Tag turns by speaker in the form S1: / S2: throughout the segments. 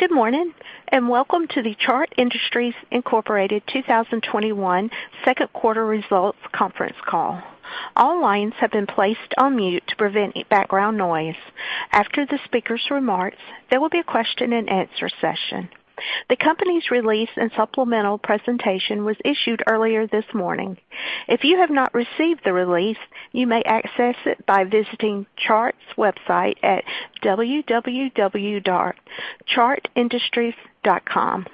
S1: Good morning, and welcome to the Chart Industries Incorporated 2021 Second Quarter Results Conference Call. The company's release and supplemental presentation was issued earlier this morning. If you have not received the release, you may access it by visiting Chart's website at www.chartindustries.com.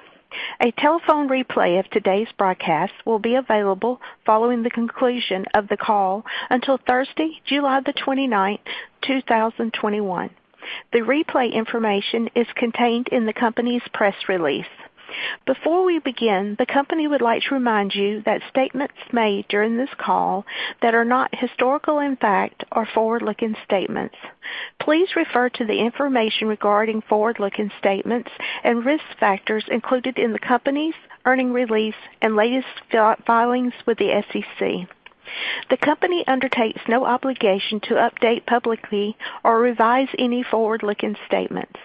S1: A telephone replay of today's broadcast will be available following the conclusion of the call until Thursday, July the 29th, 2021. The replay information is contained in the company's press release. Before we begin, the company would like to remind you that statements made during this call that are not historical in fact are forward-looking statements. Please refer to the information regarding forward-looking statements and risk factors included in the company's earning release and latest filings with the SEC. The company undertakes no obligation to update publicly or revise any forward-looking statements.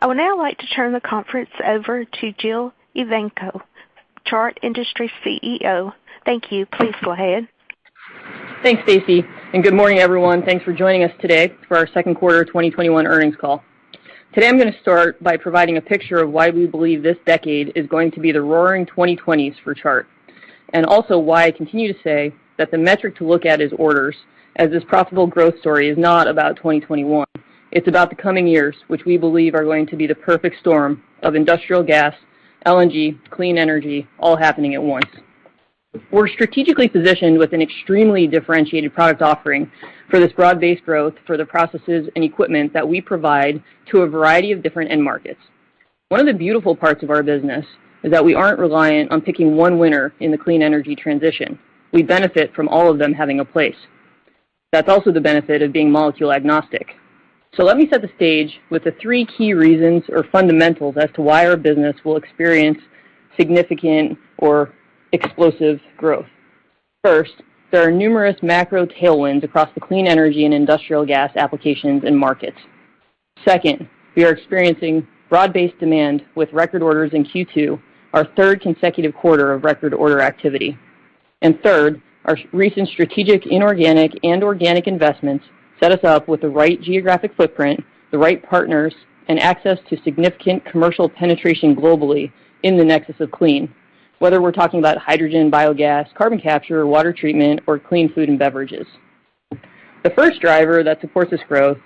S1: I would now like to turn the conference over to Jill Evanko, Chart Industries CEO. Thank you. Please go ahead.
S2: Thanks, Stacy, and good morning, everyone. Thanks for joining us today for our second quarter 2021 earnings call. Today, I'm going to start by providing a picture of why we believe this decade is going to be the roaring 2020s for Chart, and also why I continue to say that the metric to look at is orders, as this profitable growth story is not about 2021. It's about the coming years, which we believe are going to be the perfect storm of industrial gas, LNG, clean energy, all happening at once. We're strategically positioned with an extremely differentiated product offering for this broad-based growth for the processes and equipment that we provide to a variety of different end markets. One of the beautiful parts of our business is that we aren't reliant on picking one winner in the clean energy transition. We benefit from all of them having a place. That's also the benefit of being molecule agnostic. Let me set the stage with the three key reasons or fundamentals as to why our business will experience significant or explosive growth. First, there are numerous macro tailwinds across the clean energy and industrial gas applications and markets. Second, we are experiencing broad-based demand with record orders in Q2, our third consecutive quarter of record order activity. Third, our recent strategic inorganic and organic investments set us up with the right geographic footprint, the right partners, and access to significant commercial penetration globally in the Nexus of Clean, whether we're talking about hydrogen, biogas, carbon capture, water treatment, or clean food and beverages. The first driver that supports this growth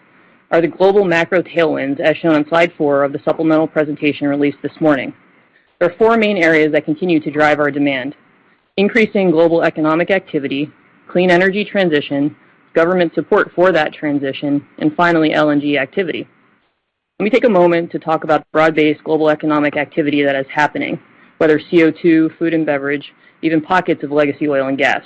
S2: are the global macro tailwinds, as shown on slide four of the supplemental presentation released this morning. There are four main areas that continue to drive our demand: increasing global economic activity, clean energy transition, government support for that transition, and finally, LNG activity. Let me take a moment to talk about the broad-based global economic activity that is happening, whether CO2, food and beverage, even pockets of legacy oil and gas.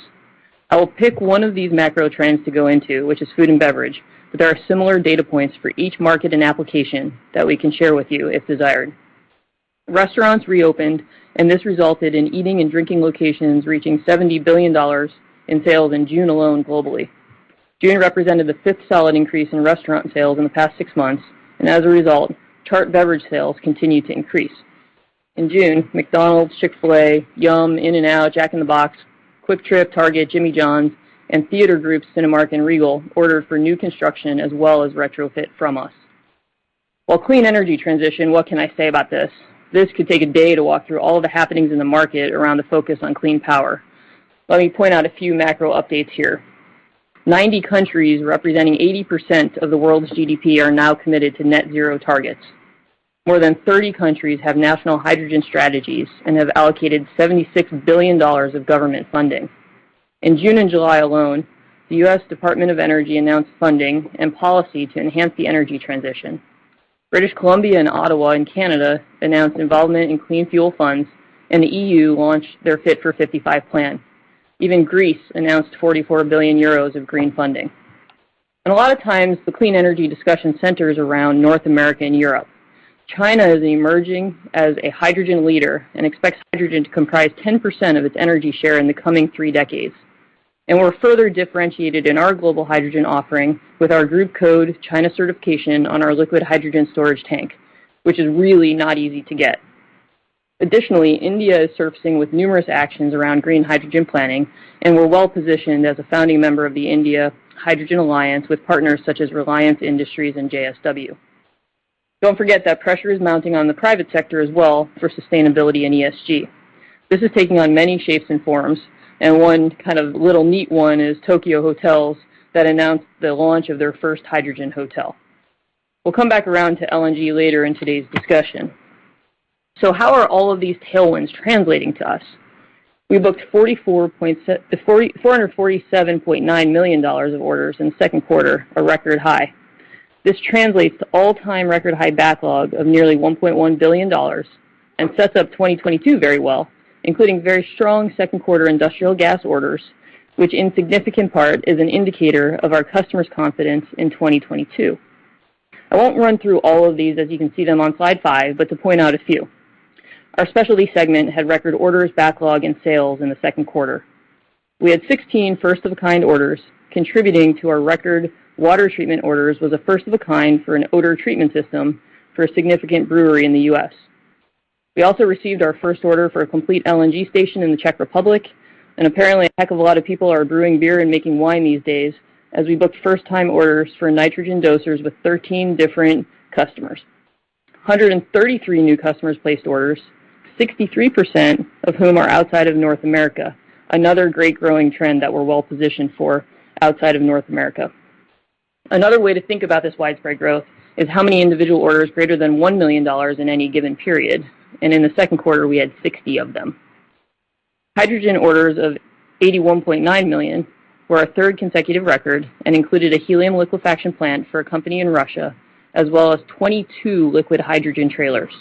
S2: I will pick one of these macro trends to go into, which is food and beverage, but there are similar data points for each market and application that we can share with you if desired. Restaurants reopened, and this resulted in eating and drinking locations reaching $70 billion in sales in June alone globally. June represented the fifth solid increase in restaurant sales in the past six months, and as a result, Chart beverage sales continued to increase. In June, McDonald's, Chick-fil-A, Yum, In-N-Out, Jack in the Box, Kwik Trip, Target, Jimmy John's, and theater groups Cinemark and Regal ordered for new construction as well as retrofit from us. While clean energy transition, what can I say about this? This could take a day to walk through all the happenings in the market around the focus on clean power. Let me point out a few macro updates here. 90 countries representing 80% of the world's GDP are now committed to net zero targets. More than 30 countries have national hydrogen strategies and have allocated $76 billion of government funding. In June and July alone, the U.S. Department of Energy announced funding and policy to enhance the energy transition. British Columbia and Ottawa in Canada announced involvement in clean fuel funds. The EU launched their Fit for 55 plan. Even Greece announced 44 billion euros of green funding. A lot of times, the clean energy discussion centers around North America and Europe. China is emerging as a hydrogen leader and expects hydrogen to comprise 10% of its energy share in the coming three decades, and we're further differentiated in our global hydrogen offering with our Chart China certification on our liquid hydrogen storage tank, which is really not easy to get. Additionally, India is surfacing with numerous actions around green hydrogen planning, and we're well-positioned as a founding member of the India Hydrogen Alliance with partners such as Reliance Industries and JSW. Don't forget that pressure is mounting on the private sector as well for sustainability and ESG. This is taking on many shapes and forms, and one kind of little neat one is Tokyu Hotels that announced the launch of their first hydrogen hotel. We'll come back around to LNG later in today's discussion. How are all of these tailwinds translating to us? We booked $447.9 million of orders in the second quarter, a record high. This translates to all-time record high backlog of nearly $1.1 billion and sets up 2022 very well, including very strong second quarter industrial gas orders, which in significant part is an indicator of our customers' confidence in 2022. I won't run through all of these as you can see them on slide five, but to point out a few. Our specialty segment had record orders, backlog, and sales in the second quarter. We had 16 first-of-a-kind orders. Contributing to our record water treatment orders was a first-of-a-kind for an odor treatment system for a significant brewery in the U.S. We also received our first order for a complete LNG station in the Czech Republic. Apparently a heck of a lot of people are brewing beer and making wine these days, as we booked first-time orders for nitrogen dosers with 13 different customers. 133 new customers placed orders, 63% of whom are outside of North America. Another great growing trend that we're well-positioned for outside of North America. Another way to think about this widespread growth is how many individual orders greater than $1 million in any given period, and in the second quarter, we had 60 of them. Hydrogen orders of $81.9 million were our third consecutive record and included a helium liquefaction plant for a company in Russia, as well as 22 liquid hydrogen trailers.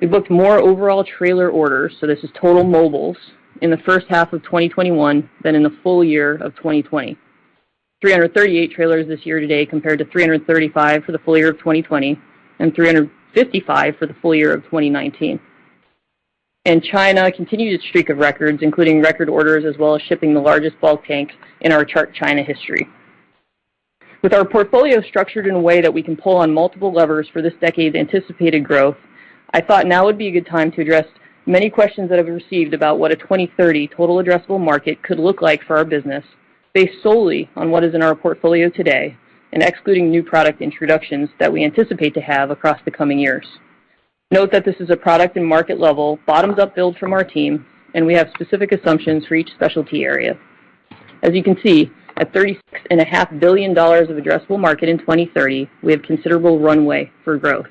S2: We booked more overall trailer orders, so this is total mobiles, in the first half of 2021 than in the full year of 2020. 338 trailers this year to date compared to 335 for the full year of 2020 and 355 for the full year of 2019. China continued its streak of records, including record orders as well as shipping the largest bulk tank in our Chart China history. With our portfolio structured in a way that we can pull on multiple levers for this decade's anticipated growth, I thought now would be a good time to address many questions that I've received about what a 2030 total addressable market could look like for our business, based solely on what is in our portfolio today and excluding new product introductions that we anticipate to have across the coming years. Note that this is a product and market level, bottoms-up build from our team, and we have specific assumptions for each specialty area. As you can see, at $36.5 billion of addressable market in 2030, we have considerable runway for growth.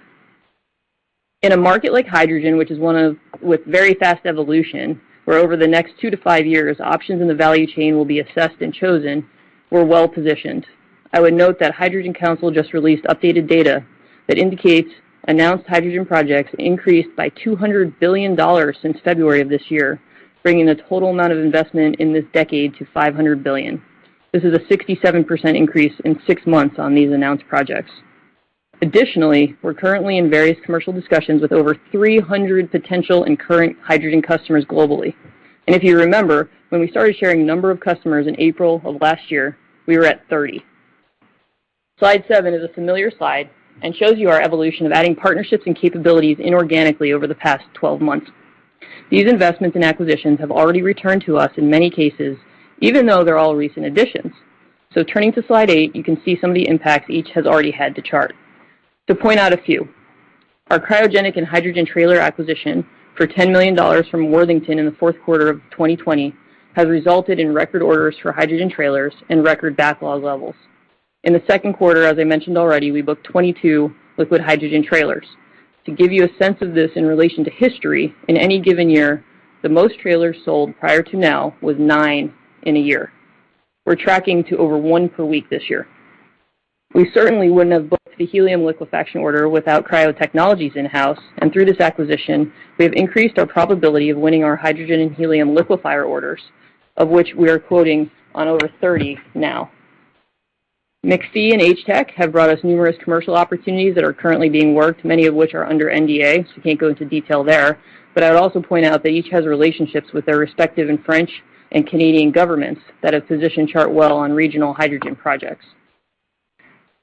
S2: In a market like hydrogen, which is one with very fast evolution, where over the next two-five years, options in the value chain will be assessed and chosen, we're well-positioned. I would note that Hydrogen Council just released updated data that indicates announced hydrogen projects increased by $200 billion since February of this year, bringing the total amount of investment in this decade to $500 billion. This is a 67% increase in six months on these announced projects. Additionally, we're currently in various commercial discussions with over 300 potential and current hydrogen customers globally. If you remember, when we started sharing number of customers in April of last year, we were at 30. Slide seven is a familiar slide and shows you our evolution of adding partnerships and capabilities inorganically over the past 12 months. These investments and acquisitions have already returned to us in many cases, even though they're all recent additions. Turning to slide eight, you can see some of the impacts each has already had to Chart. To point out a few, our cryogenic and hydrogen trailer acquisition for $10 million from Worthington in the fourth quarter of 2020 has resulted in record orders for hydrogen trailers and record backlog levels. In the second quarter, as I mentioned already, we booked 22 liquid hydrogen trailers. To give you a sense of this in relation to history, in any given year, the most trailers sold prior to now was nine in a year. We're tracking to over one per week this year. We certainly wouldn't have booked the helium liquefaction order without Cryo Technologies in-house, and through this acquisition, we have increased our probability of winning our hydrogen and helium liquefier orders, of which we are quoting on over 30 now. McPhy and HTEC have brought us numerous commercial opportunities that are currently being worked, many of which are under NDA, so can't go into detail there. I would also point out that each has relationships with their respective and French and Canadian governments that have positioned Chart well on regional hydrogen projects.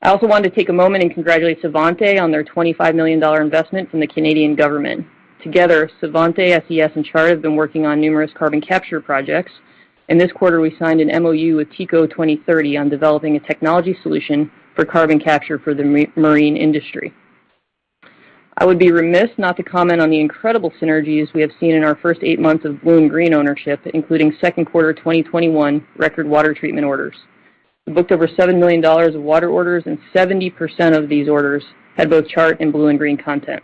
S2: I also wanted to take a moment and congratulate Svante on their $25 million investment from the Canadian government. Together, Svante, SES, and Chart have been working on numerous carbon capture projects. In this quarter, we signed an MOU with TECO 2030 on developing a technology solution for carbon capture for the marine industry. I would be remiss not to comment on the incredible synergies we have seen in our first eight months of BlueInGreen ownership, including second quarter 2021 record water treatment orders. We booked over $7 million of water orders, and 70% of these orders had both Chart and BlueInGreen content.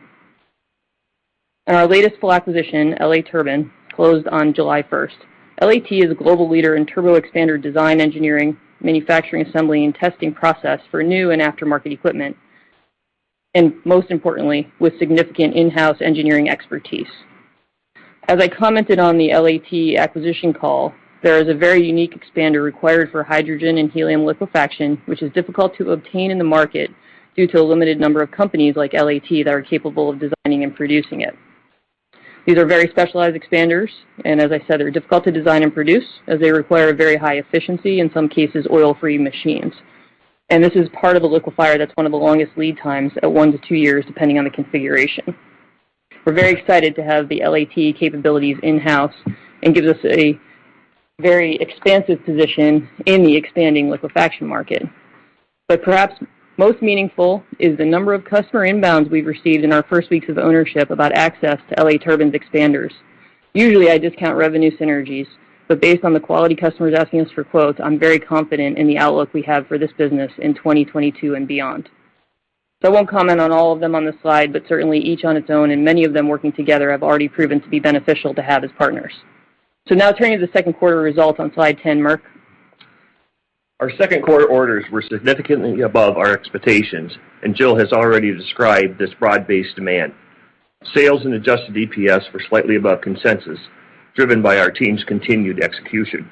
S2: Our latest full acquisition, L.A. Turbine, closed on July 1st. LAT is a global leader in turbo expander design engineering, manufacturing, assembly, and testing process for new and aftermarket equipment, and most importantly, with significant in-house engineering expertise. As I commented on the LAT acquisition call, there is a very unique expander required for hydrogen and helium liquefaction, which is difficult to obtain in the market due to a limited number of companies like LAT that are capable of designing and producing it. These are very specialized expanders, and as I said, are difficult to design and produce as they require a very high efficiency, in some cases, oil-free machines. This is part of the liquefier that's one of the longest lead times at one-two years, depending on the configuration. We're very excited to have the LAT capabilities in-house and gives us a very expansive position in the expanding liquefaction market. Perhaps most meaningful is the number of customer inbounds we've received in our first weeks of ownership about access to L.A. Turbine's expanders. Usually, I discount revenue synergies. Based on the quality customers asking us for quotes, I'm very confident in the outlook we have for this business in 2022 and beyond. I won't comment on all of them on this slide. Certainly each on its own and many of them working together have already proven to be beneficial to have as partners. Now turning to the second quarter results on slide 10, Merkle.
S3: Our second quarter orders were significantly above our expectations, and Jill has already described this broad-based demand. Sales and adjusted EPS were slightly above consensus, driven by our team's continued execution.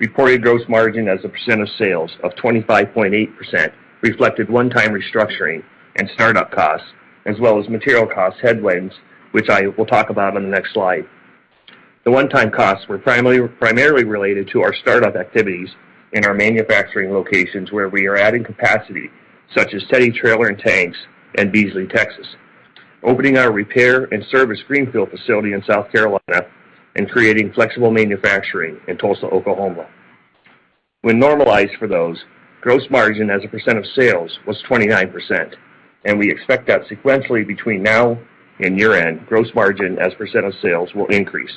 S3: Reported gross margin as a % of sales of 25.8% reflected one-time restructuring and startup costs, as well as material cost headwinds, which I will talk about on the next slide. The one-time costs were primarily related to our startup activities in our manufacturing locations where we are adding capacity, such as Teddy trailer and tanks in Beasley, Texas, opening our repair and service greenfield facility in South Carolina, and creating flexible manufacturing in Tulsa, Oklahoma. When normalized for those, gross margin as a percent of sales was 29%, and we expect that sequentially between now and year-end, gross margin as a % of sales will increase.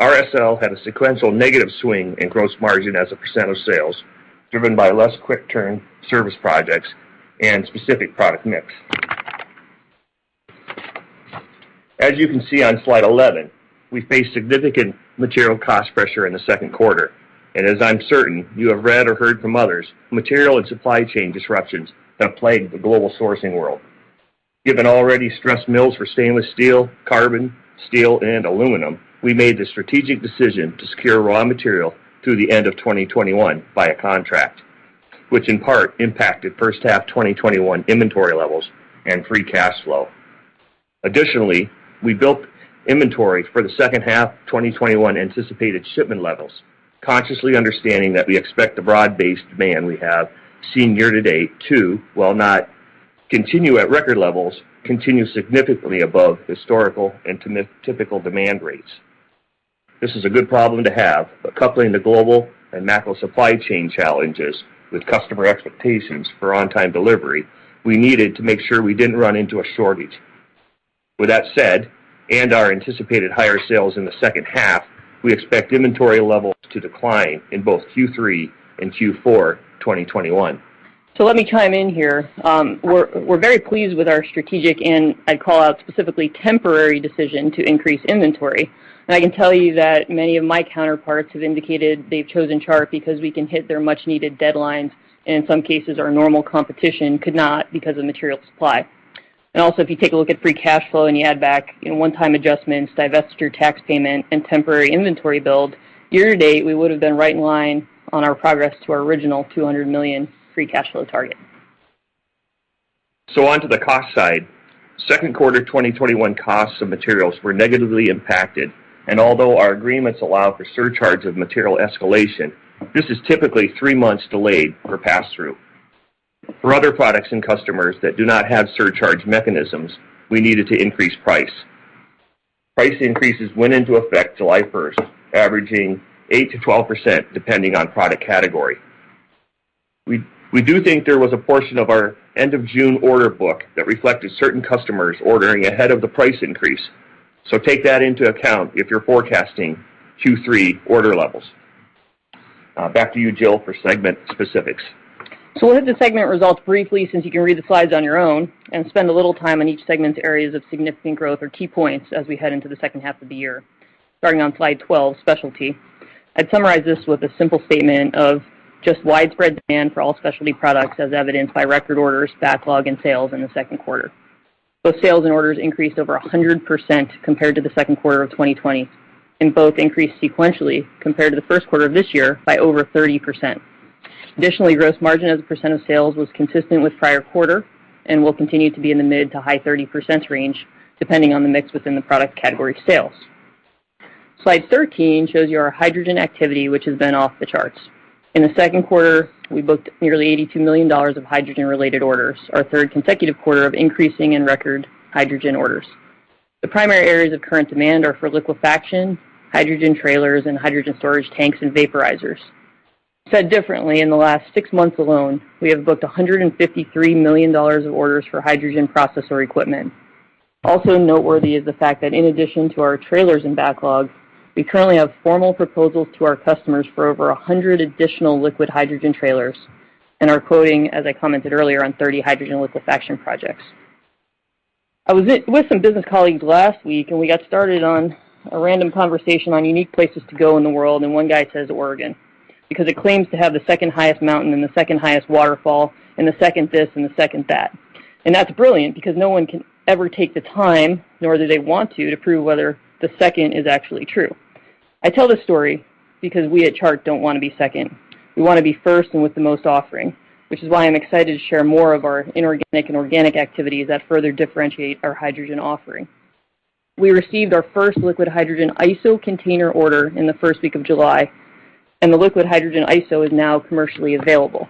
S3: RSL had a sequential negative swing in gross margin as a % of sales, driven by less quick turn service projects and specific product mix. As you can see on slide 11, we faced significant material cost pressure in the second quarter. As I'm certain you have read or heard from others, material and supply chain disruptions have plagued the global sourcing world. Given already stressed mills for stainless steel, carbon steel, and aluminum, we made the strategic decision to secure raw material through the end of 2021 by a contract, which in part impacted first half 2021 inventory levels and free cash flow. Additionally, we built inventory for the second half 2021 anticipated shipment levels, consciously understanding that we expect the broad-based demand we have seen year to date to, while not continue at record levels, continue significantly above historical and typical demand rates. This is a good problem to have, coupling the global and macro supply chain challenges with customer expectations for on-time delivery, we needed to make sure we didn't run into a shortage. With that said, our anticipated higher sales in the second half, we expect inventory levels to decline in both Q3 and Q4 2021.
S2: Let me chime in here. We're very pleased with our strategic and, I'd call out specifically, temporary decision to increase inventory. I can tell you that many of my counterparts have indicated they've chosen Chart because we can hit their much-needed deadlines, and in some cases, our normal competition could not because of material supply. If you take a look at free cash flow and you add back one-time adjustments, divested CryoBio tax payment and temporary inventory build, year to date, we would've been right in line on our progress to our original $200 million free cash flow target.
S3: On to the cost side. Second quarter 2021 costs of materials were negatively impacted, and although our agreements allow for surcharge of material escalation, this is typically three months delayed for pass-through. For other products and customers that do not have surcharge mechanisms, we needed to increase price. Price increases went into effect July 1st, averaging 8%-12%, depending on product category. We do think there was a portion of our end of June order book that reflected certain customers ordering ahead of the price increase. Take that into account if you're forecasting Q3 order levels. Back to you, Jill, for segment specifics.
S2: We'll hit the segment results briefly since you can read the slides on your own and spend a little time on each segment's areas of significant growth or key points as we head into the second half of the year. Starting on slide 12, specialty. I'd summarize this with a simple statement of just widespread demand for all specialty products as evidenced by record orders, backlog, and sales in the second quarter. Both sales and orders increased over 100% compared to the second quarter of 2020, and both increased sequentially compared to the first quarter of this year by over 30%. Additionally, gross margin as a % of sales was consistent with prior quarter and will continue to be in the mid to high 30% range, depending on the mix within the product category sales. Slide 13 shows you our hydrogen activity, which has been off the charts. In the second quarter, we booked nearly $82 million of hydrogen-related orders, our third consecutive quarter of increasing in record hydrogen orders. The primary areas of current demand are for liquefaction, hydrogen trailers, and hydrogen storage tanks and vaporizers. Said differently, in the last six months alone, we have booked $153 million of orders for hydrogen processor equipment. Noteworthy is the fact that in addition to our trailers and backlogs, we currently have formal proposals to our customers for over 100 additional liquid hydrogen trailers and are quoting, as I commented earlier, on 30 hydrogen liquefaction projects. I was with some business colleagues last week, we got started on a random conversation on unique places to go in the world, and one guy says Oregon because it claims to have the second highest mountain and the second highest waterfall and the second this and the second that. That's brilliant because no one can ever take the time, nor do they want to prove whether the second is actually true. I tell this story because we at Chart don't want to be second. We want to be first and with the most offering, which is why I'm excited to share more of our inorganic and organic activities that further differentiate our hydrogen offering. We received our first liquid hydrogen ISO container order in the first week of July, and the liquid hydrogen ISO is now commercially available.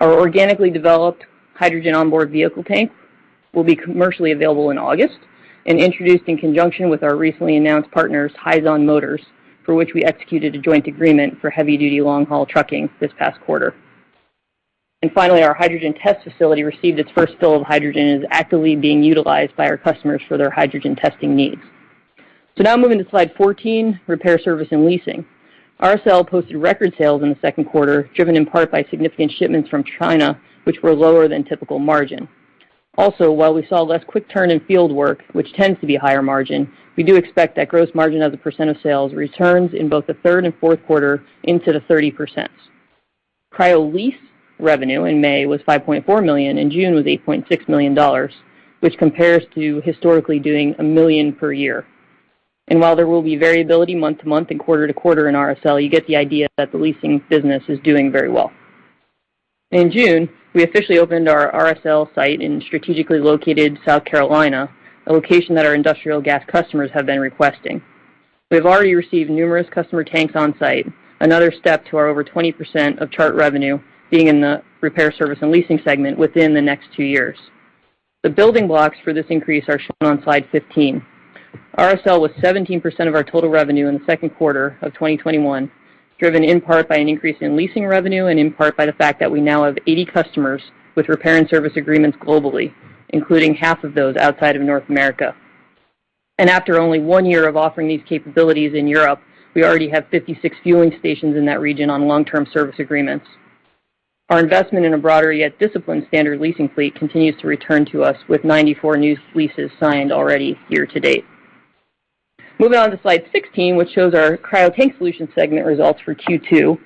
S2: Our organically developed hydrogen onboard vehicle tank will be commercially available in August and introduced in conjunction with our recently announced partners, Hyzon Motors, for which we executed a joint agreement for heavy duty long haul trucking this past quarter. Finally, our hydrogen test facility received its first fill of hydrogen and is actively being utilized by our customers for their hydrogen testing needs. Now moving to slide 14, Repair, Service & Leasing. RSL posted record sales in the second quarter, driven in part by significant shipments from China, which were lower than typical margin. Also, while we saw less quick turn in fieldwork, which tends to be higher margin, we do expect that gross margin as a percent of sales returns in both the third and fourth quarter into the 30%. Cryo lease revenue in May was $5.4 million and June was $8.6 million, which compares to historically doing $1 million per year. While there will be variability month to month and quarter to quarter in RSL, you get the idea that the leasing business is doing very well. In June, we officially opened our RSL site in strategically located South Carolina, a location that our industrial gas customers have been requesting. We've already received numerous customer tanks on site, another step to our over 20% of Chart revenue being in the Repair, Service & Leasing segment within the next two years. The building blocks for this increase are shown on slide 15. RSL was 17% of our total revenue in the second quarter of 2021, driven in part by an increase in leasing revenue and in part by the fact that we now have 80 customers with repair and service agreements globally, including half of those outside of North America. After only one year of offering these capabilities in Europe, we already have 56 fueling stations in that region on long-term service agreements. Our investment in a broader yet disciplined standard leasing fleet continues to return to us with 94 new leases signed already year to date. Moving on to slide 16, which shows our Cryo Tank Solutions segment results for Q2.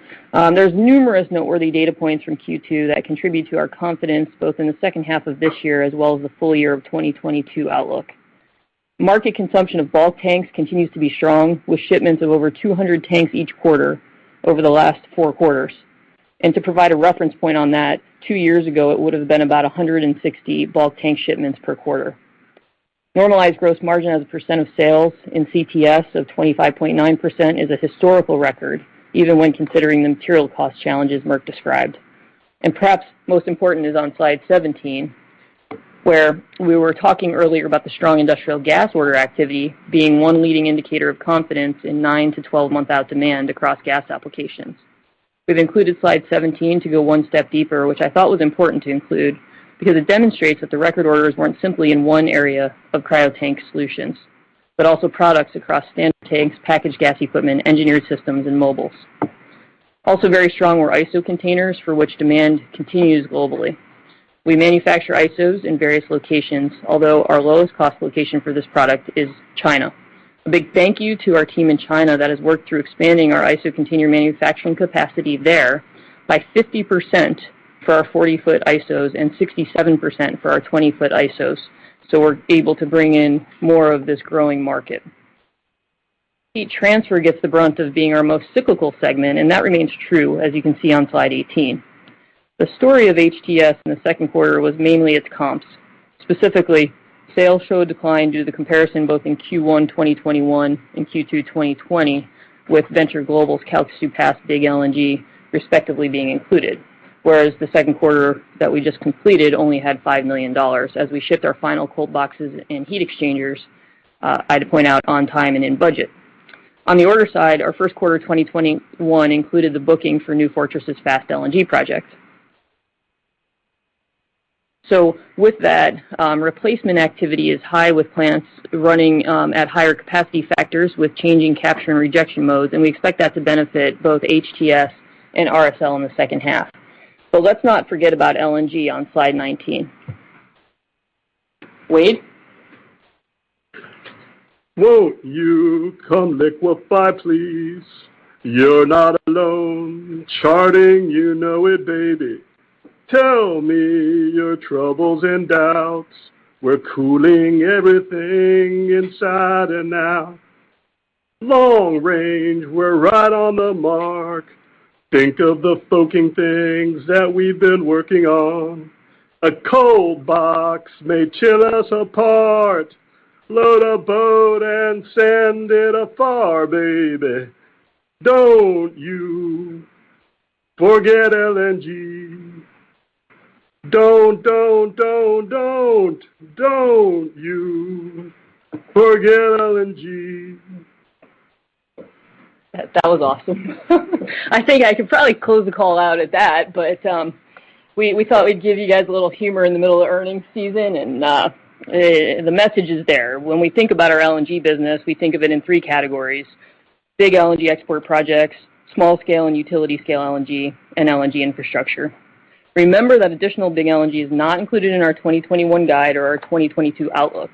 S2: There's numerous noteworthy data points from Q2 that contribute to our confidence both in the second half of this year as well as the full year of 2022 outlook. Market consumption of bulk tanks continues to be strong, with shipments of over 200 tanks each quarter over the last four quarters. To provide a reference point on that, two years ago, it would have been about 160 bulk tank shipments per quarter. Normalized gross margin as a percent of sales in CPS of 25.9% is a historical record, even when considering the material cost challenges Merkle described. Perhaps most important is on slide 17, where we were talking earlier about the strong industrial gas order activity being one leading indicator of confidence in nine-12 month out demand across gas applications. We've included slide 17 to go one step deeper, which I thought was important to include because it demonstrates that the record orders weren't simply in one area of Cryo Tank Solutions, but also products across standard tanks, packaged gas equipment, engineered systems, and mobiles. Very strong were ISO containers for which demand continues globally. We manufacture ISOs in various locations, although our lowest cost location for this product is China. A big thank you to our team in China that has worked through expanding our ISO container manufacturing capacity there by 50% for our 40-foot ISOs and 67% for our 20-foot ISOs. We're able to bring in more of this growing market. Heat transfer gets the brunt of being our most cyclical segment, and that remains true, as you can see on slide 18. The story of HTS in the second quarter was mainly its comps. Specifically, sales showed a decline due to the comparison both in Q1 2021 and Q2 2020 with Venture Global's Calcasieu Pass big LNG respectively being included. Whereas the second quarter that we just completed only had $5 million as we shipped our final cold boxes and heat exchangers, I'd point out on time and in budget. On the order side, our first quarter 2021 included the booking for New Fortress's Fast LNG project. With that, replacement activity is high with plants running at higher capacity factors with changing capture and rejection modes, and we expect that to benefit both HTS and RSL in the second half. Let's not forget about LNG on slide 19. Wade?
S4: Won't you come liquefy please? You're not alone. Charting, you know it, baby. Tell me your troubles and doubts. We're cooling everything inside and out. Long range, we're right on the mark. Think of the [cooling] things that we've been working on. A cold box may chill us apart. Load a boat and send it afar, baby. Don't you forget LNG. Don't, don't, don't. Don't you forget LNG.
S2: That was awesome. I think I could probably close the call out at that, we thought we'd give you guys a little humor in the middle of earnings season and the message is there. When we think about our LNG business, we think of it in three categories: big LNG export projects, small scale and utility scale LNG, and LNG infrastructure. Remember that additional big LNG is not included in our 2021 guide or our 2022 outlook.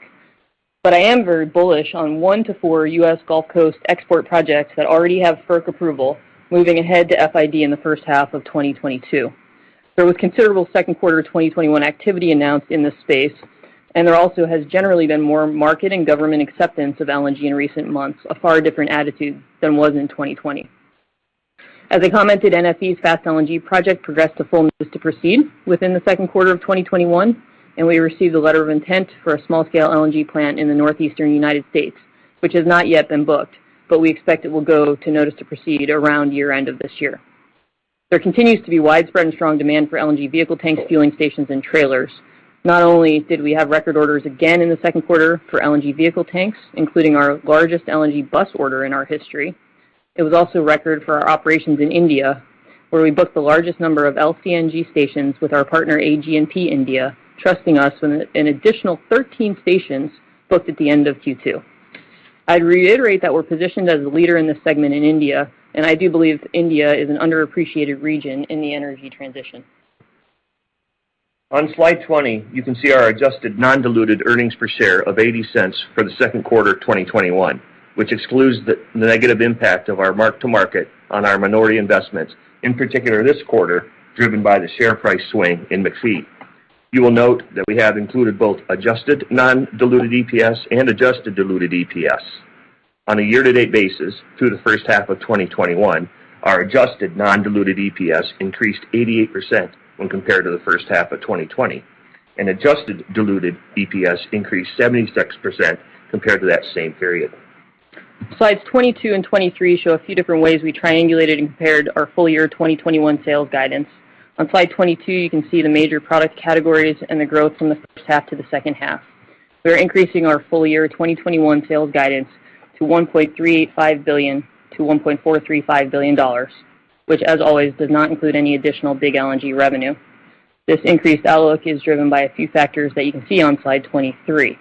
S2: I am very bullish on 1 to 4 U.S. Gulf Coast export projects that already have FERC approval moving ahead to FID in the first half of 2022. There was considerable second quarter 2021 activity announced in this space, and there also has generally been more market and government acceptance of LNG in recent months, a far different attitude than was in 2020. As I commented, NFE's Fast LNG project progressed to full notice to proceed within the second quarter of 2021, and we received a letter of intent for a small-scale LNG plant in the Northeastern U.S., which has not yet been booked, but we expect it will go to notice to proceed around year-end of this year. There continues to be widespread and strong demand for LNG vehicle tank fueling stations and trailers. Not only did we have record orders again in the second quarter for LNG vehicle tanks, including our largest LNG bus order in our history, it was also a record for our operations in India, where we booked the largest number of LCNG stations with our partner AG&P India, trusting us with an additional 13 stations booked at the end of Q2. I'd reiterate that we're positioned as a leader in this segment in India, and I do believe India is an underappreciated region in the energy transition.
S3: On slide 20, you can see our adjusted non-diluted earnings per share of $0.80 for the second quarter of 2021, which excludes the negative impact of our mark-to-market on our minority investments, in particular this quarter, driven by the share price swing in McPhy. You will note that we have included both adjusted non-diluted EPS and adjusted diluted EPS. On a year-to-date basis, through the first half of 2021, our adjusted non-diluted EPS increased 88% when compared to the first half of 2020, and adjusted diluted EPS increased 76% compared to that same period.
S2: Slides 22 and 23 show a few different ways we triangulated and compared our full year 2021 sales guidance. On slide 22, you can see the major product categories and the growth from the first half to the second half. We are increasing our full year 2021 sales guidance to $1.385 billion-$1.435 billion, which, as always, does not include any additional big LNG revenue. This increased outlook is driven by a few factors that you can see on slide 23.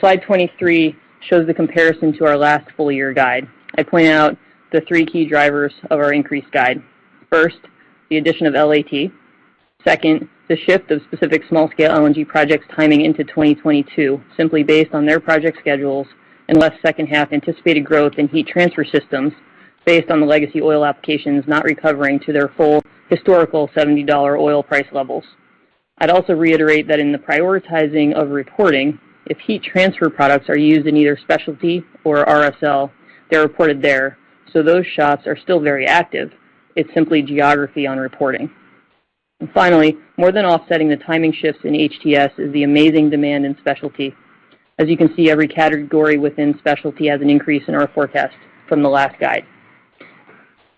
S2: Slide 23 shows the comparison to our last full year guide. I point out the 3 key drivers of our increased guide. First, the addition of LAT. Second, the shift of specific small-scale LNG projects timing into 2022, simply based on their project schedules, and less second half anticipated growth in heat transfer systems based on the legacy oil applications not recovering to their full historical $70 oil price levels. I'd also reiterate that in the prioritizing of reporting, if heat transfer products are used in either specialty or RSL, they're reported there. Those shops are still very active. It's simply geography on reporting. Finally, more than offsetting the timing shifts in HTS is the amazing demand in specialty. As you can see, every category within specialty has an increase in our forecast from the last guide.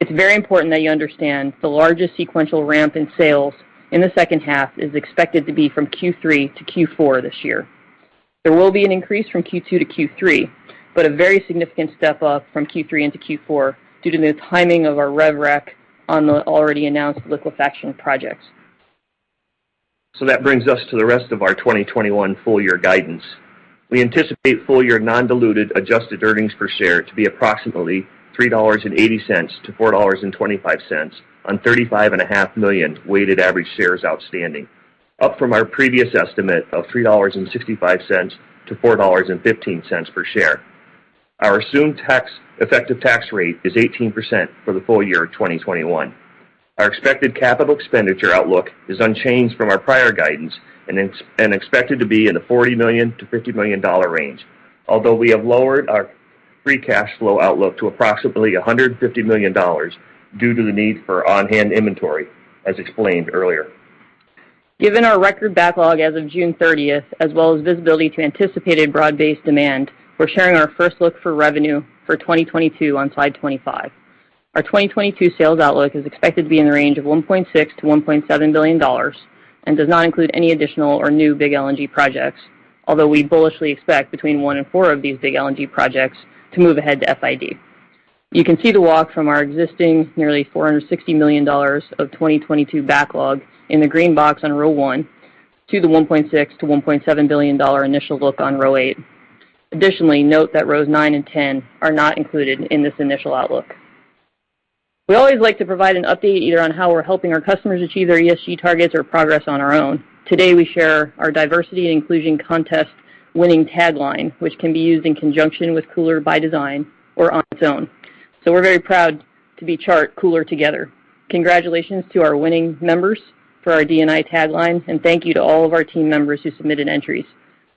S2: It's very important that you understand the largest sequential ramp in sales in the second half is expected to be from Q3 to Q4 this year. There will be an increase from Q2 to Q3, but a very significant step up from Q3 into Q4 due to the timing of our rev rec on the already announced liquefaction projects.
S3: That brings us to the rest of our 2021 full year guidance. We anticipate full year non-diluted adjusted earnings per share to be approximately $3.80-$4.25 on 35.5 million weighted average shares outstanding, up from our previous estimate of $3.65-$4.15 per share. Our assumed effective tax rate is 18% for the full year 2021. Our expected capital expenditure outlook is unchanged from our prior guidance and expected to be in the $40 million-$50 million range, although we have lowered our free cash flow outlook to approximately $150 million due to the need for on-hand inventory, as explained earlier.
S2: Given our record backlog as of June 30th, as well as visibility to anticipated broad-based demand, we're sharing our first look for revenue for 2022 on slide 25. Our 2022 sales outlook is expected to be in the range of $1.6 billion-$1.7 billion and does not include any additional or new big LNG projects, although we bullishly expect between one and four of these big LNG projects to move ahead to FID. You can see the walk from our existing nearly $460 million of 2022 backlog in the green box on row one to the $1.6 billion-$1.7 billion initial look on row eight. Note that rows nine and 10 are not included in this initial outlook. We always like to provide an update either on how we're helping our customers achieve their ESG targets or progress on our own. Today, we share our diversity and inclusion contest winning tagline, which can be used in conjunction with Cooler By Design or on its own. We're very proud to be Chart Cooler Together. Congratulations to our winning members for our D&I tagline, and thank you to all of our team members who submitted entries.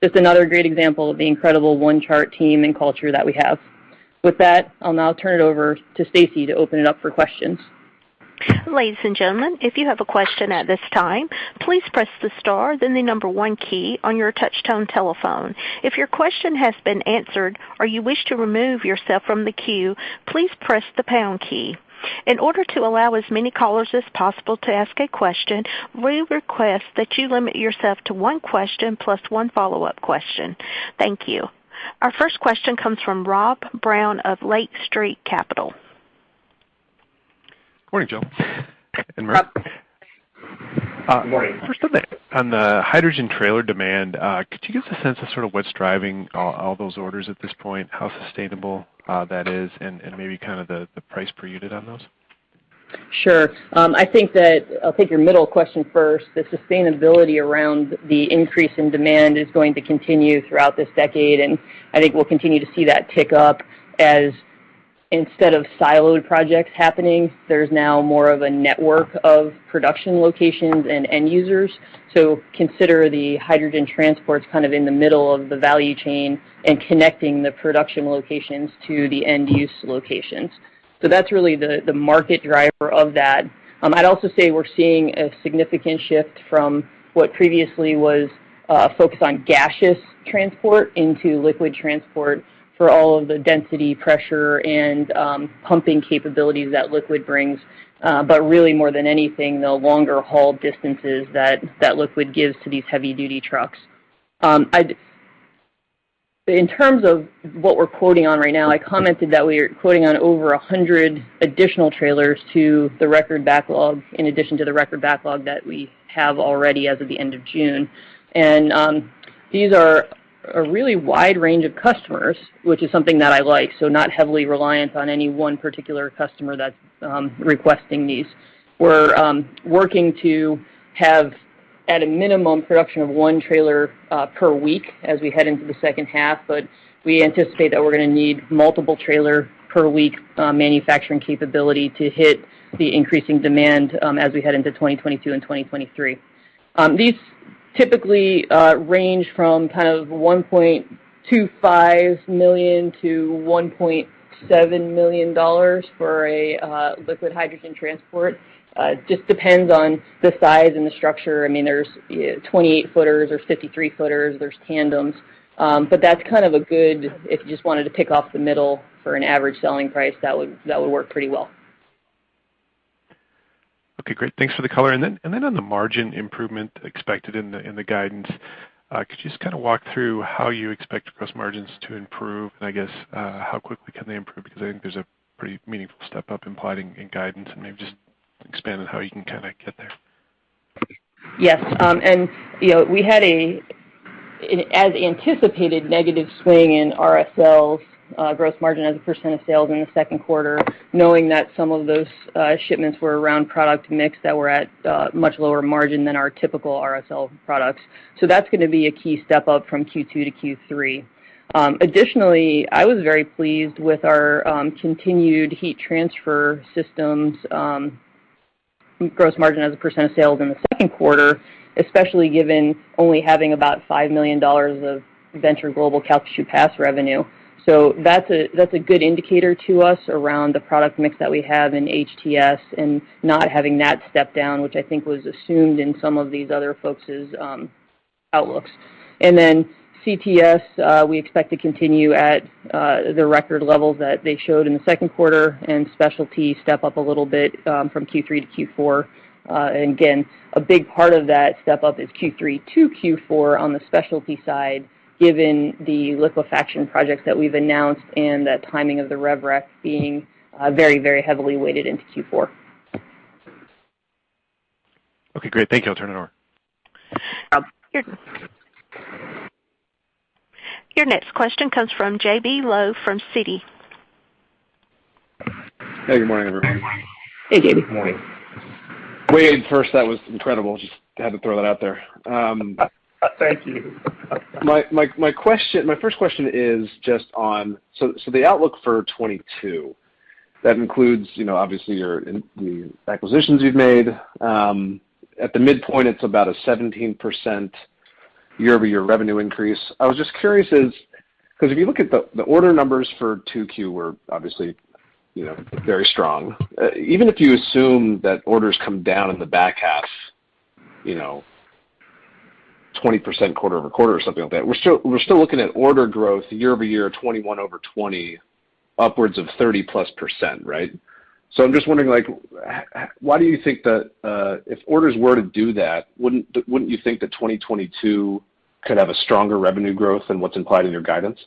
S2: Just another great example of the incredible one Chart team and culture that we have. With that, I'll now turn it over to Stacy to open it up for questions.
S1: Ladies and gentlemen, if you have a question at this time, please press the star then the number one key on your touchtone telephone. If your question has been answered or you wish to remove yourself from the queue, please press the pound key. In order to allow as many callers as possible to ask a question, we request that you limit yourself to one question plus one follow-up question. Thank you. Our first question comes from Rob Brown of Lake Street Capital.
S5: Morning, Jill and Merkle.
S3: Morning.
S5: First up, on the hydrogen trailer demand, could you give us a sense of sort of what's driving all those orders at this point, how sustainable that is, and maybe kind of the price per unit on those?
S2: Sure. I think that I'll take your middle question first. The sustainability around the increase in demand is going to continue throughout this decade, and I think we'll continue to see that tick up as, instead of siloed projects happening, there's now more of a network of production locations and end users. Consider the hydrogen transports kind of in the middle of the value chain and connecting the production locations to the end-use locations. That's really the market driver of that. I'd also say we're seeing a significant shift from what previously was a focus on gaseous transport into liquid transport for all of the density, pressure, and pumping capabilities that liquid brings. Really more than anything, the longer haul distances that liquid gives to these heavy-duty trucks. In terms of what we're quoting on right now, I commented that we are quoting on over 100 additional trailers to the record backlog in addition to the record backlog that we have already as of the end of June. These are a really wide range of customers, which is something that I like, so not heavily reliant on any one particular customer that's requesting these. We're working to have, at a minimum, production of one trailer per week as we head into the second half. We anticipate that we're going to need multiple trailer per week manufacturing capability to hit the increasing demand as we head into 2022 and 2023. These typically range from $1.25 million to $1.7 million for a liquid hydrogen transport. Just depends on the size and the structure. There's 28-footers, there's 53-footers, there's tandems. That's good if you just wanted to pick off the middle for an average selling price, that would work pretty well.
S5: Okay, great. Thanks for the color. On the margin improvement expected in the guidance, could you just walk through how you expect gross margins to improve? I guess, how quickly can they improve? I think there's a pretty meaningful step up implied in guidance, and maybe just expand on how you can get there.
S2: Yes. We had, as anticipated, negative swing in RSL's gross margin as a percent of sales in the second quarter, knowing that some of those shipments were around product mix that were at much lower margin than our typical RSL products. That's going to be a key step up from Q2 to Q3. Additionally, I was very pleased with our continued heat transfer systems gross margin as a percent of sales in the second quarter, especially given only having about $5 million of Venture Global Calcasieu Pass revenue. That's a good indicator to us around the product mix that we have in HTS and not having that step down, which I think was assumed in some of these other folks' outlooks. CTS, we expect to continue at the record levels that they showed in the second quarter, and specialty step up a little bit from Q3 to Q4. A big part of that step up is Q3 to Q4 on the specialty side, given the liquefaction projects that we've announced and the timing of the rev rec being very heavily weighted into Q4.
S5: Okay, great. Thank you. I will turn it over.
S1: Your next question comes from J.B. Lowe from Citi.
S6: Hey, good morning, everyone.
S2: Hey, J.B.
S3: Good morning.
S6: Wade, first, that was incredible. Just had to throw that out there.
S4: Thank you.
S6: My first question is just on the outlook for 2022, that includes, obviously, the acquisitions you've made. At the midpoint, it's about a 17% year-over-year revenue increase. I was just curious, because if you look at the order numbers for 2Q were obviously very strong. Even if you assume that orders come down in the back half 20% quarter-over-quarter or something like that, we're still looking at order growth year-over-year of 2021 over 2020 upwards of 30%+, right? I'm just wondering, why do you think that if orders were to do that, wouldn't you think that 2022 could have a stronger revenue growth than what's implied in your guidance?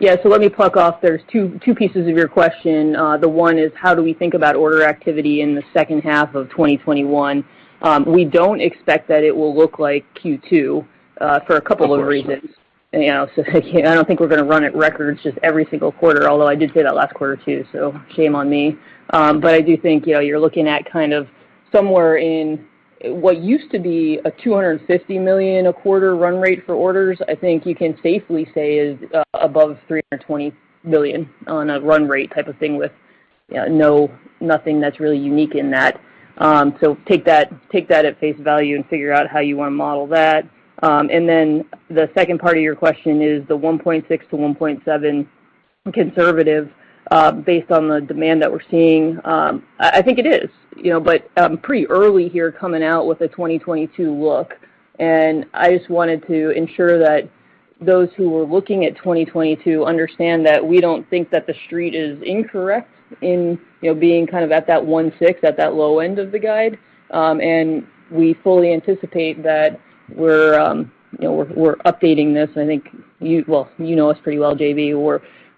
S2: Yeah. Let me pluck off, there's two pieces of your question. The one is, how do we think about order activity in the second half of 2021? We don't expect that it will look like Q2 for a couple of reasons.
S6: Of course, no.
S2: I don't think we're going to run at records just every single quarter, although I did say that last quarter, too, shame on me. I do think you're looking at kind of somewhere in what used to be a $250 million a quarter run rate for orders, I think you can safely say is above $320 million on a run rate type of thing with nothing that's really unique in that. Take that at face value and figure out how you want to model that. Then the second part of your question is the $1.6 billion-$1.7 million conservative based on the demand that we're seeing. I think it is. Pretty early here coming out with a 2022 look, and I just wanted to ensure that those who were looking at 2022 understand that we don't think that the Street is incorrect in being kind of at that 1.6, at that low end of the guide. We fully anticipate that we're updating this. Well, you know us pretty well, J.B.,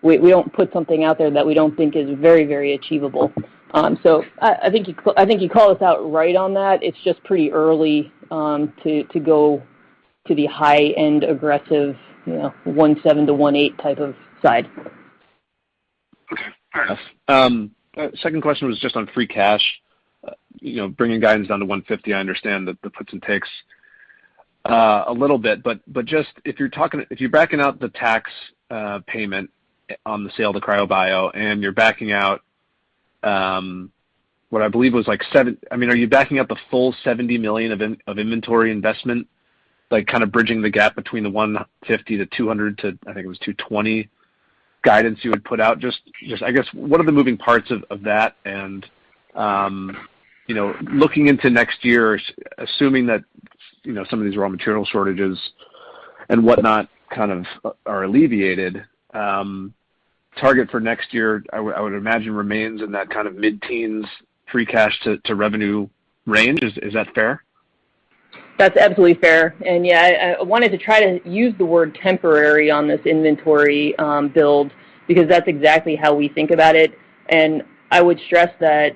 S2: we don't put something out there that we don't think is very achievable. I think you call us out right on that. It's just pretty early to go to the high-end aggressive 1.7 to 1.8 type of side.
S6: Okay, fair enough. Second question was just on free cash. Bringing guidance down to $150 million, I understand the puts and takes a little bit, but just if you're backing out the tax payment on the sale to CryoBio, and you're backing out what I believe was the full $70 million of inventory investment, kind of bridging the gap between the $150 million-$200 million to, I think it was $220 million guidance you had put out? I guess, what are the moving parts of that? Looking into next year, assuming that some of these raw material shortages and whatnot kind of are alleviated, target for next year, I would imagine, remains in that kind of mid-teens% free cash to revenue range. Is that fair?
S2: That's absolutely fair. Yeah, I wanted to try to use the word temporary on this inventory build, because that's exactly how we think about it. I would stress that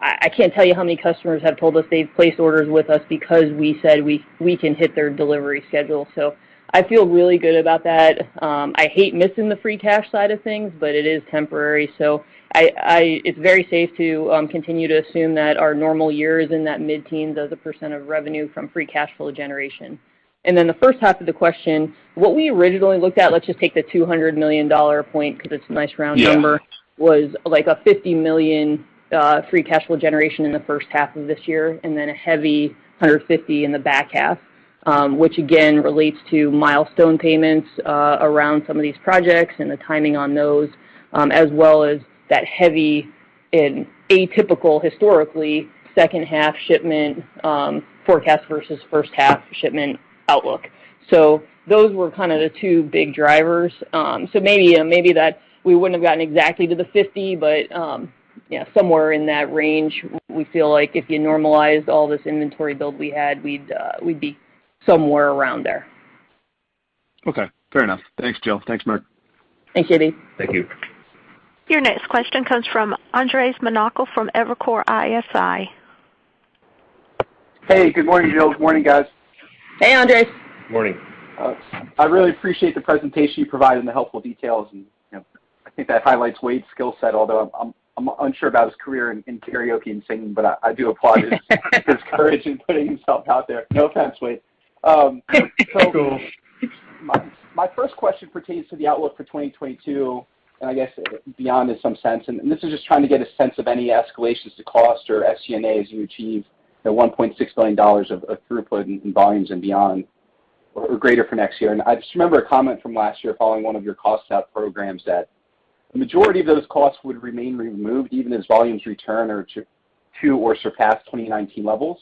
S2: I can't tell you how many customers have told us they've placed orders with us because we said we can hit their delivery schedule. I feel really good about that. I hate missing the free cash side of things, but it is temporary, so it's very safe to continue to assume that our normal year is in that mid-teens as a % of revenue from free cash flow generation. Then the first half of the question, what we originally looked at, let's just take the $200 million point because it's a nice round number.
S6: Yeah
S2: was like a $50 million free cash flow generation in the first half of this year, and then a heavy $150 million in the back half. Again, relates to milestone payments around some of these projects and the timing on those, as well as that heavy and atypical, historically, second half shipment forecast versus first half shipment outlook. Those were kind of the 2 big drivers. Maybe we wouldn't have gotten exactly to the 50, but somewhere in that range, we feel like if you normalized all this inventory build we had, we'd be somewhere around there.
S6: Okay, fair enough. Thanks, Jill. Thanks, Merkle.
S2: Thanks, J.B.
S3: Thank you.
S1: Your next question comes from Andres Menocal from Evercore ISI.
S7: Hey, good morning, Jill. Good morning, guys.
S2: Hey, Andres.
S3: Morning.
S7: I really appreciate the presentation you provided and the helpful details, and I think that highlights Wade's skill set, although I'm unsure about his career in karaoke and singing, but I do applaud his courage in putting himself out there. No offense, Wade.
S4: It's cool.
S7: My first question pertains to the outlook for 2022, and I guess beyond in some sense. This is just trying to get a sense of any escalations to cost or SG&As you achieve, the $1.6 billion of throughput and volumes and beyond, or greater for next year. I just remember a comment from last year following one of your cost out programs that the majority of those costs would remain removed even as volumes return to or surpass 2019 levels.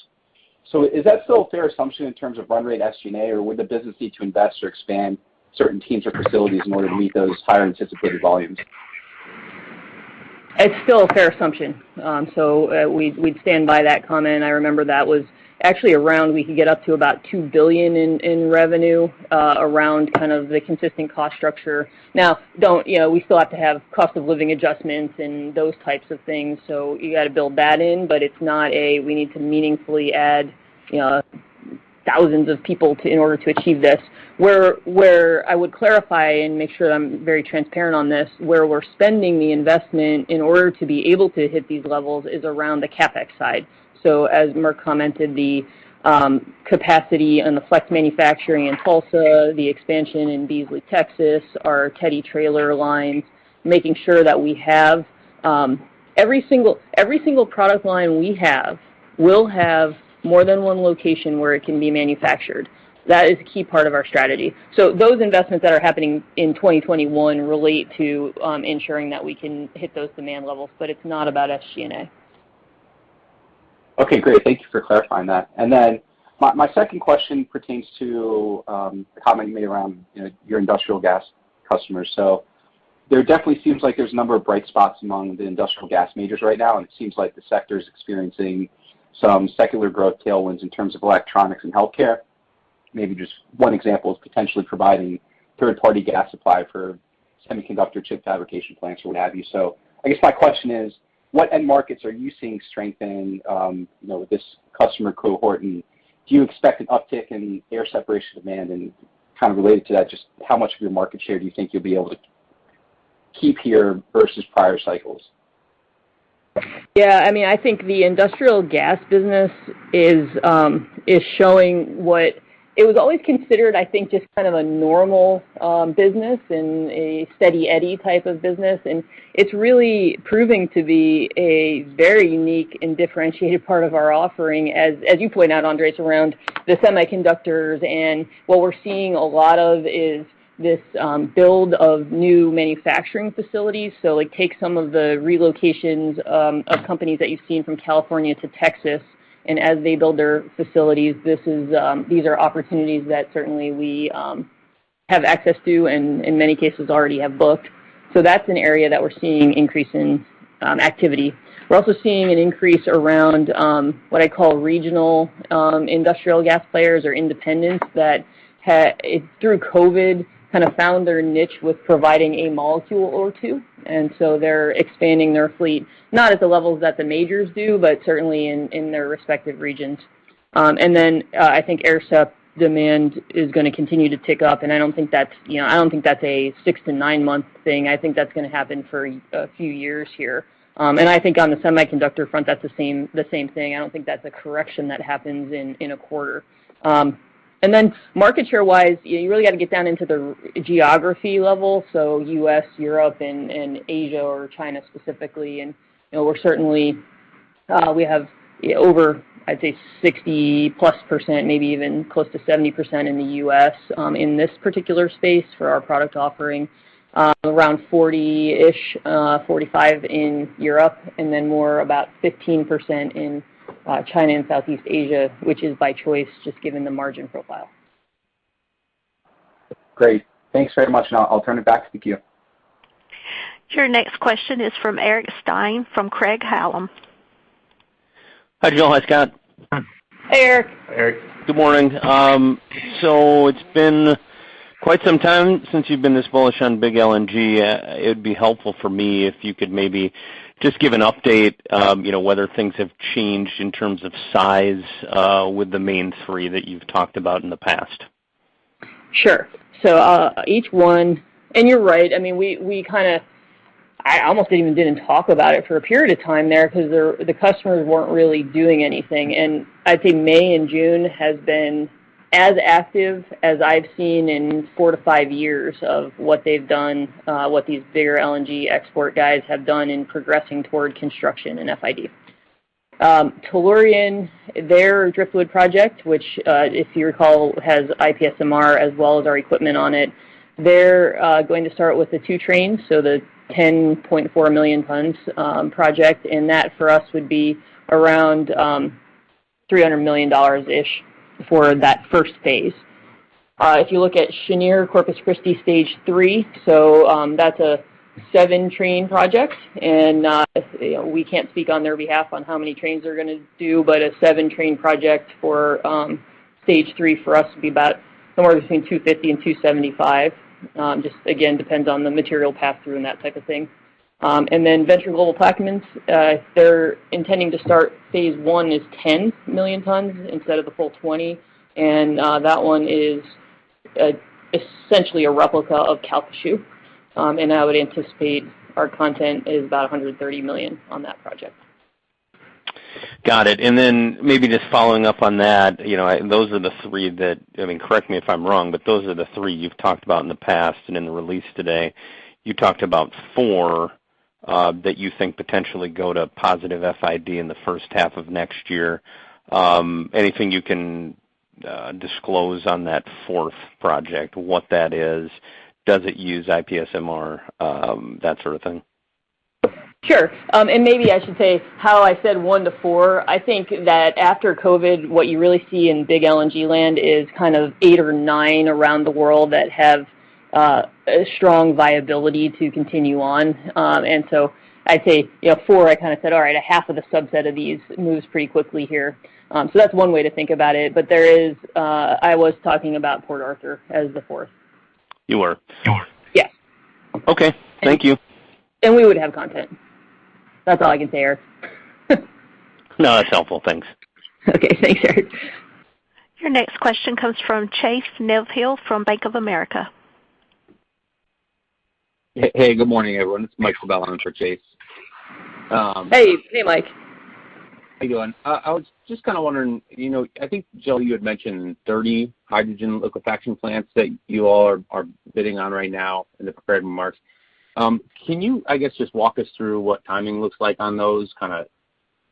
S7: Is that still a fair assumption in terms of run rate SG&A, or would the business need to invest or expand certain teams or facilities in order to meet those higher anticipated volumes?
S2: It's still a fair assumption. We'd stand by that comment. I remember that was actually around we could get up to about $2 billion in revenue, around kind of the consistent cost structure. We still have to have cost of living adjustments and those types of things, so you got to build that in, but it's not a we need to meaningfully add thousands of people in order to achieve this. Where I would clarify and make sure that I'm very transparent on this, where we're spending the investment in order to be able to hit these levels is around the CapEx side. As Merkle commented, the capacity and the flex manufacturing in Tulsa, the expansion in Beasley, Texas, our Teddy trailer line. Every single product line we have will have more than one location where it can be manufactured. That is a key part of our strategy. Those investments that are happening in 2021 relate to ensuring that we can hit those demand levels, but it's not about SG&A.
S7: Okay, great. Thank you for clarifying that. My second question pertains to the comment you made around your industrial gas customers. There definitely seems like there's a number of bright spots among the industrial gas majors right now, and it seems like the sector's experiencing some secular growth tailwinds in terms of electronics and healthcare. Maybe just one example is potentially providing third-party gas supply for semiconductor chip fabrication plants or what have you. I guess my question is, what end markets are you seeing strength in with this customer cohort, and do you expect an uptick in air separation demand? Kind of related to that, just how much of your market share do you think you'll be able to keep here versus prior cycles?
S2: I think the industrial gas business is showing what it was always considered, I think, just kind of a normal business and a steady Eddie type of business, and it's really proving to be a very unique and differentiated part of our offering. As you point out, Andres, around the semiconductors, what we're seeing a lot of is this build of new manufacturing facilities. It takes some of the relocations of companies that you've seen from California to Texas, as they build their facilities, these are opportunities that certainly we have access to and in many cases already have booked. That's an area that we're seeing increase in activity. We're also seeing an increase around what I call regional industrial gas players or independents that, through COVID, kind of found their niche with providing a molecule or two. They're expanding their fleet, not at the levels that the majors do, but certainly in their respective regions. I think air sep demand is going to continue to tick up, and I don't think that's a six-nine month thing. I think that's going to happen for a few years here. I think on the semiconductor front, that's the same thing. I don't think that's a correction that happens in one quarter. Market share-wise, you really got to get down into the geography level, so U.S., Europe, and Asia or China specifically. We have over, I'd say, 60%+, maybe even close to 70% in the U.S. in this particular space for our product offering. Around 40-ish, 45 in Europe, and then more about 15% in China and Southeast Asia, which is by choice, just given the margin profile.
S7: Great. Thanks very much, and I'll turn it back to the queue.
S1: Your next question is from Eric Stine from Craig-Hallum.
S8: Hi, Jill. Hi, Scott.
S2: Hey, Eric.
S3: Hey, Eric.
S8: Good morning. It's been quite some time since you've been this bullish on big LNG. It'd be helpful for me if you could maybe just give an update, whether things have changed in terms of size with the main three that you've talked about in the past.
S2: Sure. And you're right. I almost even didn't talk about it for a period of time there because the customers weren't really doing anything. I'd say May and June has been as active as I've seen in four to five years of what they've done, what these bigger LNG export guys have done in progressing toward construction and FID. Tellurian, their Driftwood project, which, if you recall, has IPSMR as well as our equipment on it. They're going to start with the two trains, so the 10.4 million tons project, and that for us would be around $300 million-ish for that first phase. If you look at Cheniere Corpus Christi stage 3, that's a 7-train project, and we can't speak on their behalf on how many trains they're going to do, but a 7-train project for stage 3 for us would be about somewhere between $250 million-$275 million. Just, again, depends on the material pass-through and that type of thing. Venture Global Plaquemines, they're intending to start phase I is 10 million tons instead of the full 20, and that one is essentially a replica of Calcasieu. I would anticipate our content is about $130 million on that project.
S8: Got it. Maybe just following up on that, those are the three that, correct me if I'm wrong, but those are the three you've talked about in the past and in the release today. You talked about four that you think potentially go to positive FID in the first half of next year. Anything you can disclose on that fourth project, what that is? Does it use IPSMR, that sort of thing?
S2: Sure. Maybe I should say how I said one to four, I think that after COVID, what you really see in big LNG land is kind of eight or nine around the world that have a strong viability to continue on. I'd say four, I kind of said, all right, a half of the subset of these moves pretty quickly here. That's one way to think about it. I was talking about Port Arthur as the 4th.
S8: You were?
S2: Yes.
S8: Okay. Thank you.
S2: We would have content. That's all I can say, Eric.
S8: No, that's helpful. Thanks.
S2: Okay. Thanks, Eric.
S1: Your next question comes from Chase Mulvehill from Bank of America.
S9: Hey, good morning, everyone. It's Mike Cibel. I'm with Chase.
S2: Hey. Hey, Mike.
S9: How you doing? I was just kind of wondering, I think, Jill, you had mentioned 30 hydrogen liquefaction plants that you all are bidding on right now in the prepared remarks. Can you, I guess, just walk us through what timing looks like on those, kind of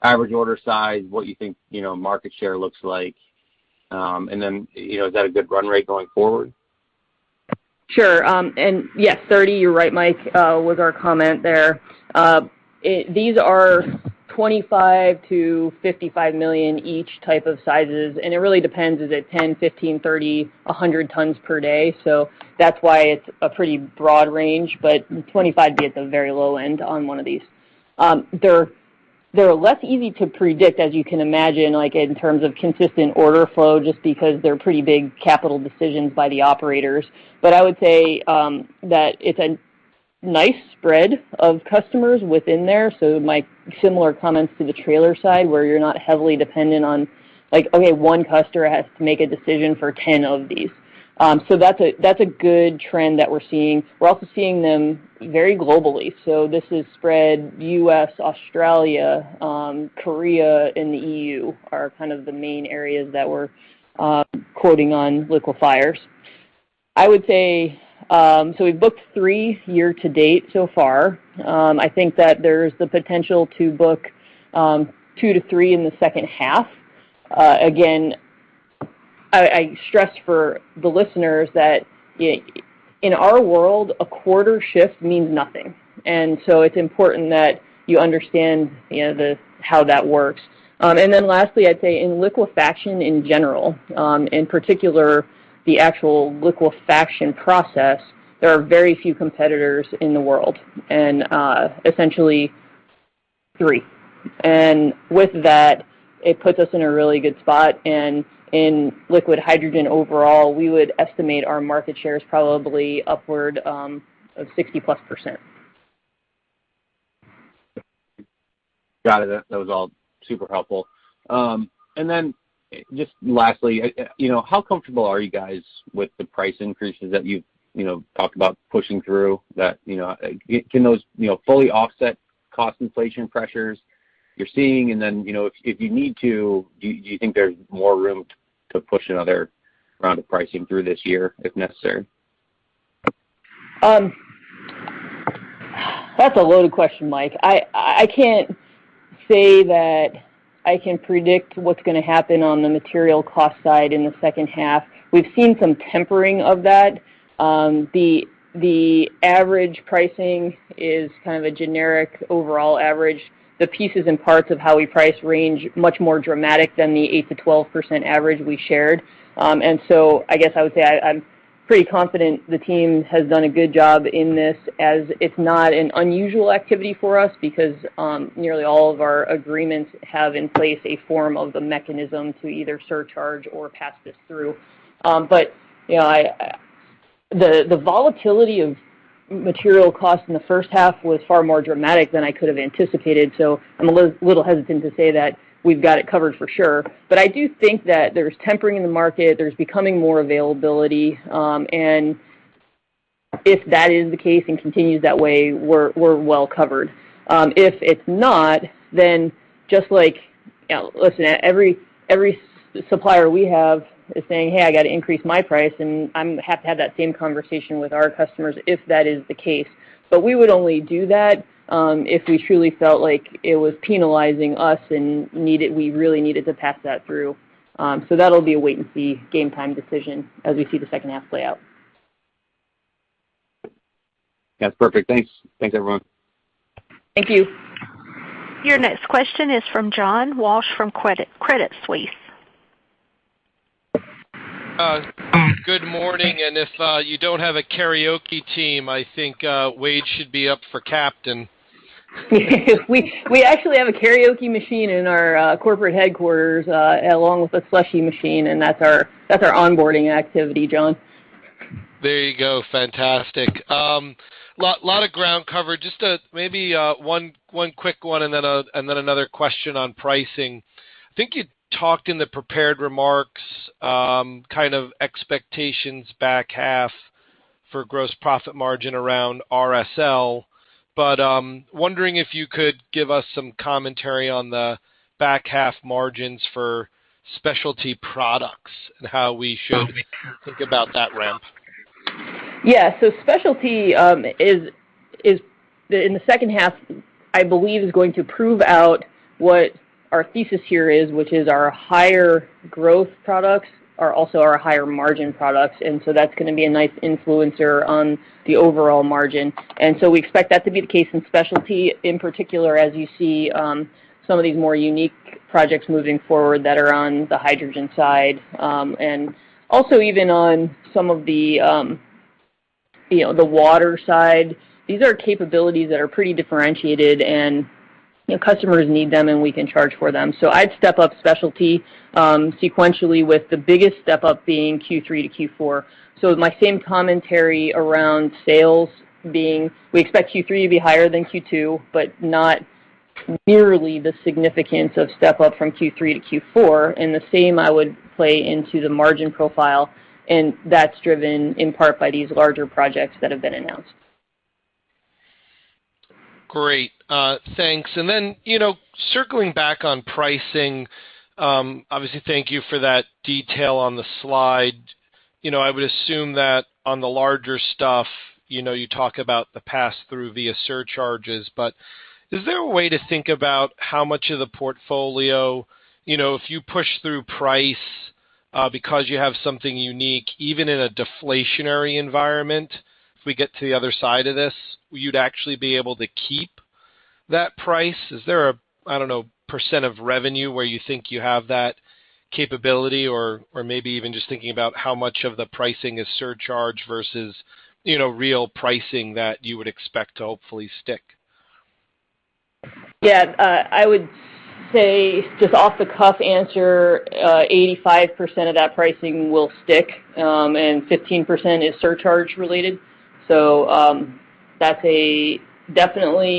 S9: average order size, what you think market share looks like? Is that a good run rate going forward?
S2: Sure. And yes, 30, you're right, Mike, with our comment there. These are $25 million-$55 million each type of sizes, and it really depends, is it 10, 15, 30, 100 tons per day? That's why it's a pretty broad range, but 25 would be at the very low end on one of these. They're less easy to predict, as you can imagine, in terms of consistent order flow, just because they're pretty big capital decisions by the operators. I would say that it's a nice spread of customers within there. My similar comments to the trailer side, where you're not heavily dependent on, okay, one customer has to make a decision for 10 of these. That's a good trend that we're seeing. We're also seeing them very globally. This is spread U.S., Australia, Korea, and the EU are kind of the main areas that we're quoting on liquefiers. I would say, we've booked three year to date so far. I think that there's the potential to book two-three in the second half. Again, I stress for the listeners that in our world, a quarter shift means nothing. It's important that you understand how that works. Lastly, I'd say in liquefaction in general, in particular the actual liquefaction process, there are very few competitors in the world, and essentially three. With that, it puts us in a really good spot. In liquid hydrogen overall, we would estimate our market share is probably upward of 60%+.
S9: Got it. That was all super helpful. Just lastly, how comfortable are you guys with the price increases that you've talked about pushing through? Can those fully offset cost inflation pressures you're seeing? If you need to, do you think there's more room to push another round of pricing through this year if necessary?
S2: That's a loaded question, Mike. I can't say that I can predict what's going to happen on the material cost side in the second half. We've seen some tempering of that. The average pricing is kind of a generic overall average. The pieces and parts of how we price range much more dramatic than the 8%-12% average we shared. I guess I would say I'm pretty confident the team has done a good job in this as it's not an unusual activity for us because nearly all of our agreements have in place a form of the mechanism to either surcharge or pass this through. The volatility of material costs in the first half was far more dramatic than I could have anticipated, so I'm a little hesitant to say that we've got it covered for sure. I do think that there's tempering in the market, there's becoming more availability. If that is the case and continues that way, we're well covered. If it's not, just like Listen, every supplier we have is saying, "Hey, I got to increase my price," and I have to have that same conversation with our customers if that is the case. We would only do that if we truly felt like it was penalizing us and we really needed to pass that through. That'll be a wait-and-see, game time decision as we see the second half play out.
S9: That's perfect. Thanks. Thanks, everyone.
S2: Thank you.
S1: Your next question is from John Walsh from Credit Suisse.
S10: Good morning. If you don't have a karaoke team, I think Wade should be up for captain.
S2: We actually have a karaoke machine in our corporate headquarters, along with a slushie machine, and that's our onboarding activity, John.
S10: There you go. Fantastic. Lot of ground covered. Just maybe one quick one and then another question on pricing. I think you talked in the prepared remarks kind of expectations back half for gross profit margin around RSL. I'm wondering if you could give us some commentary on the back half margins for specialty products and how we should maybe think about that ramp.
S2: Yeah. Specialty, in the second half, I believe, is going to prove out what our thesis here is, which is our higher growth products are also our higher margin products. That's going to be a nice influencer on the overall margin. We expect that to be the case in specialty, in particular as you see some of these more unique projects moving forward that are on the hydrogen side. Even on some of the water side. These are capabilities that are pretty differentiated, and customers need them, and we can charge for them. I'd step up specialty sequentially with the biggest step up being Q3 to Q4. My same commentary around sales being we expect Q3 to be higher than Q2, but not nearly the significance of step-up from Q3 to Q4. The same I would play into the margin profile, and that's driven in part by these larger projects that have been announced.
S10: Great. Thanks. Then circling back on pricing, obviously, thank you for that detail on the slide. I would assume that on the larger stuff, you talk about the pass-through via surcharges. Is there a way to think about how much of the portfolio, if you push through price because you have something unique, even in a deflationary environment, if we get to the other side of this, you'd actually be able to keep that price? Is there a, I don't know, percent of revenue where you think you have that capability? Or maybe even just thinking about how much of the pricing is surcharge versus real pricing that you would expect to hopefully stick?
S2: Yeah. I would say, just off-the-cuff answer, 85% of that pricing will stick, and 15% is surcharge related. That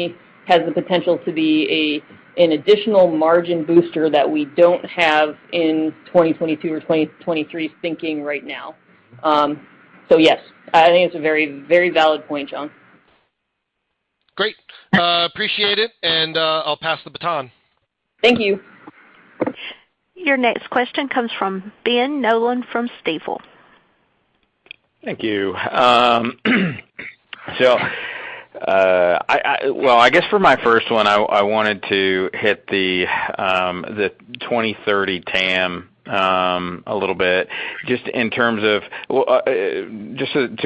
S2: definitely has the potential to be an additional margin booster that we don't have in 2022 or 2023 thinking right now. Yes, I think it's a very valid point, John.
S10: Great. Appreciate it, and I'll pass the baton.
S2: Thank you.
S1: Your next question comes from Ben Nolan from Stifel.
S11: Thank you. Jill, well, I guess for my first one, I wanted to hit the 2030 TAM a little bit, just to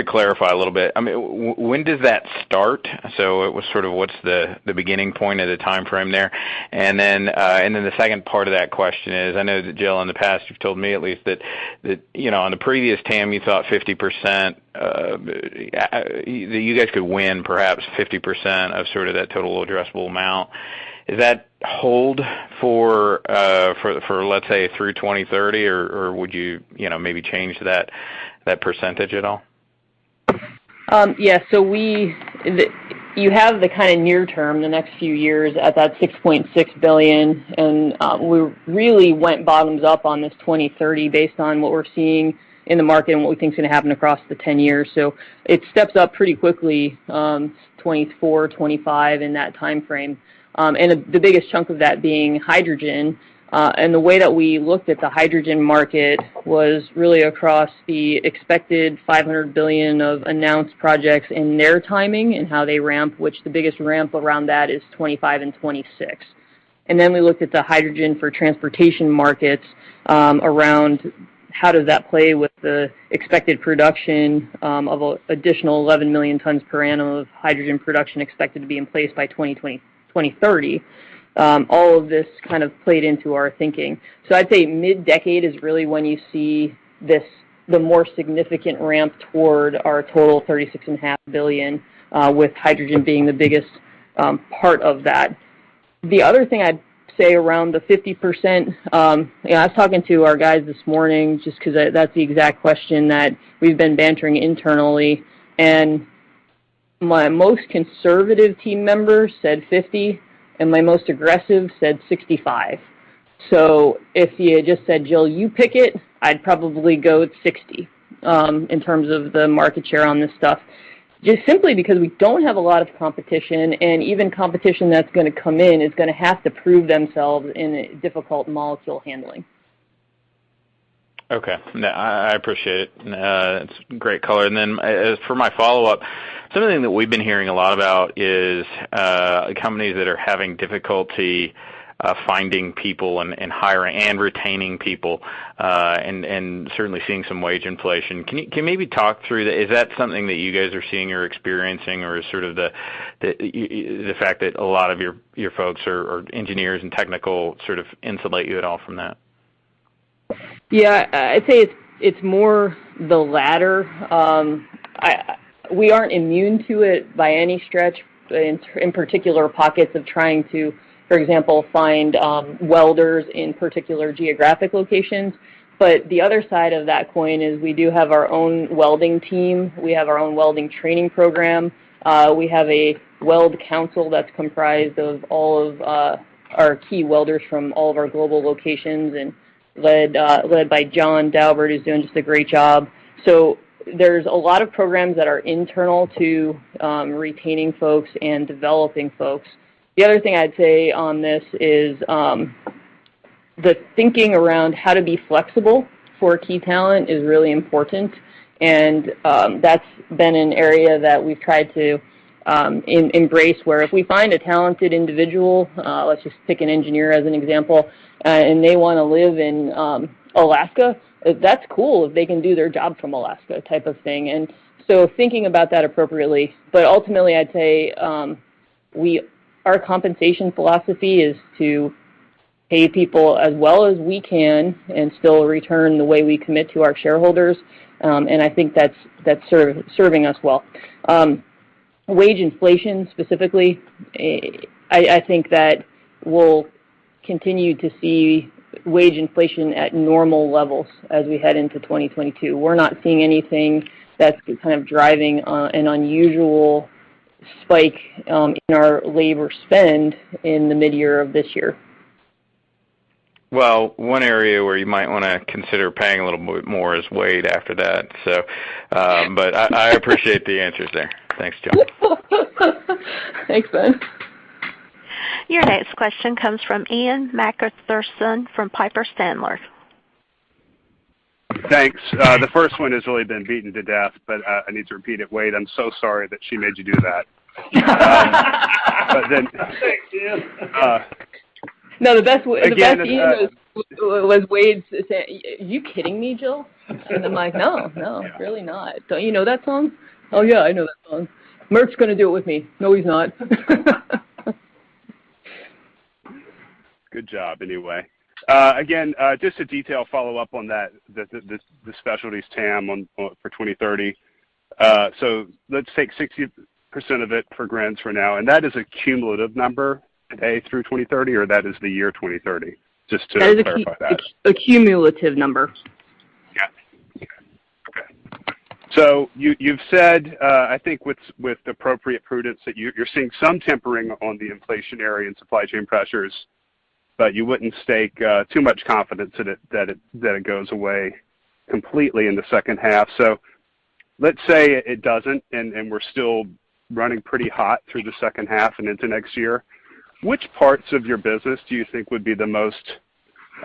S11: clarify a little bit. When does that start? What's the beginning point of the time frame there? The second part of that question is, I know that Jill, in the past, you've told me at least that on the previous TAM, you thought 50% that you guys could win perhaps 50% of sort of that total addressable amount. Does that hold for, let say, through 2030, or would you maybe change that percentage at all?
S2: Yeah. You have the kind of near term, the next few years, at that $6.6 billion, and we really went bottoms up on this 2030 based on what we're seeing in the market and what we think is going to happen across the 10 years. It steps up pretty quickly, 2024, 2025, in that time frame. The biggest chunk of that being hydrogen. The way that we looked at the hydrogen market was really across the expected $500 billion of announced projects in their timing and how they ramp, which the biggest ramp around that is 2025 and 2026. Then we looked at the hydrogen for transportation markets around how does that play with the expected production of additional 11 million tons per annum of hydrogen production expected to be in place by 2030. All of this kind of played into our thinking. I'd say mid-decade is really when you see the more significant ramp toward our total $36.5 billion, with hydrogen being the biggest part of that. The other thing I'd say around the 50%, I was talking to our guys this morning just because that's the exact question that we've been bantering internally, and my most conservative team member said 50, and my most aggressive said 65. If you had just said, "Jill, you pick it," I'd probably go with 60 in terms of the market share on this stuff, just simply because we don't have a lot of competition, and even competition that's going to come in is going to have to prove themselves in difficult molecule handling.
S11: Okay. No, I appreciate it. It's great color. For my follow-up, something that we've been hearing a lot about is companies that are having difficulty finding people and hiring and retaining people, and certainly seeing some wage inflation. Can you maybe talk through, is that something that you guys are seeing or experiencing, or is the fact that a lot of your folks are engineers and technical insulate you at all from that?
S2: Yeah. I'd say it's more the latter. We aren't immune to it by any stretch, in particular pockets of trying to, for example, find welders in particular geographic locations. The other side of that coin is we do have our own welding team. We have our own welding training program. We have a weld council that's comprised of all of our key welders from all of our global locations and led by John Daubert, who's doing just a great job. There's a lot of programs that are internal to retaining folks and developing folks. The other thing I'd say on this is, the thinking around how to be flexible for key talent is really important, and that's been an area that we've tried to embrace, where if we find a talented individual, let's just pick an engineer as an example, and they want to live in Alaska, that's cool if they can do their job from Alaska type of thing. Thinking about that appropriately. Ultimately, I'd say our compensation philosophy is to pay people as well as we can and still return the way we commit to our shareholders, and I think that's serving us well. Wage inflation, specifically, I think that we'll continue to see wage inflation at normal levels as we head into 2022. We're not seeing anything that's kind of driving an unusual spike in our labor spend in the mid-year of this year.
S11: One area where you might want to consider paying a little bit more is Wade after that. I appreciate the answers there. Thanks, Jill.
S2: Thanks, Ben.
S1: Your next question comes from Ian Macpherson from Piper Sandler.
S12: Thanks. The first one has really been beaten to death, but I need to repeat it. Wade, I'm so sorry that she made you do that.
S4: Thanks, Ian.
S2: No, the best meme was Wade saying, "Are you kidding me, Jill?" I'm like, "No. No, really not. Don't you know that song?" "Oh, yeah, I know that song. Merkle's gonna do it with me." "No, he's not.
S12: Good job anyway. Just a detail follow-up on the specialties TAM for 2030. Let's take 60% of it pro forma for now, and that is a cumulative number today through 2030, or that is the year 2030? Just to clarify that.
S2: That is a cumulative number.
S12: Yeah. Okay. You've said, I think with appropriate prudence, that you're seeing some tempering on the inflationary and supply chain pressures, but you wouldn't stake too much confidence in it that it goes away completely in the second half. Let's say it doesn't, and we're still running pretty hot through the second half and into next year. Which parts of your business do you think would be the most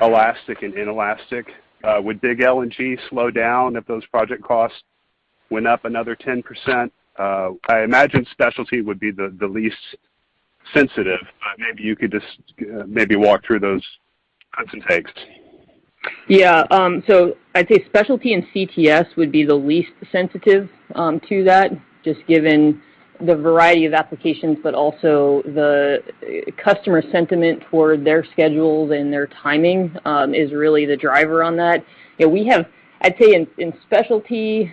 S12: elastic and inelastic? Would big LNG slow down if those project costs went up another 10%? I imagine specialty would be the least sensitive. Maybe you could just walk through those cons and takes.
S2: Yeah. I'd say Specialty and CTS would be the least sensitive to that, just given the variety of applications, but also the customer sentiment for their schedules and their timing is really the driver on that. I'd say in Specialty,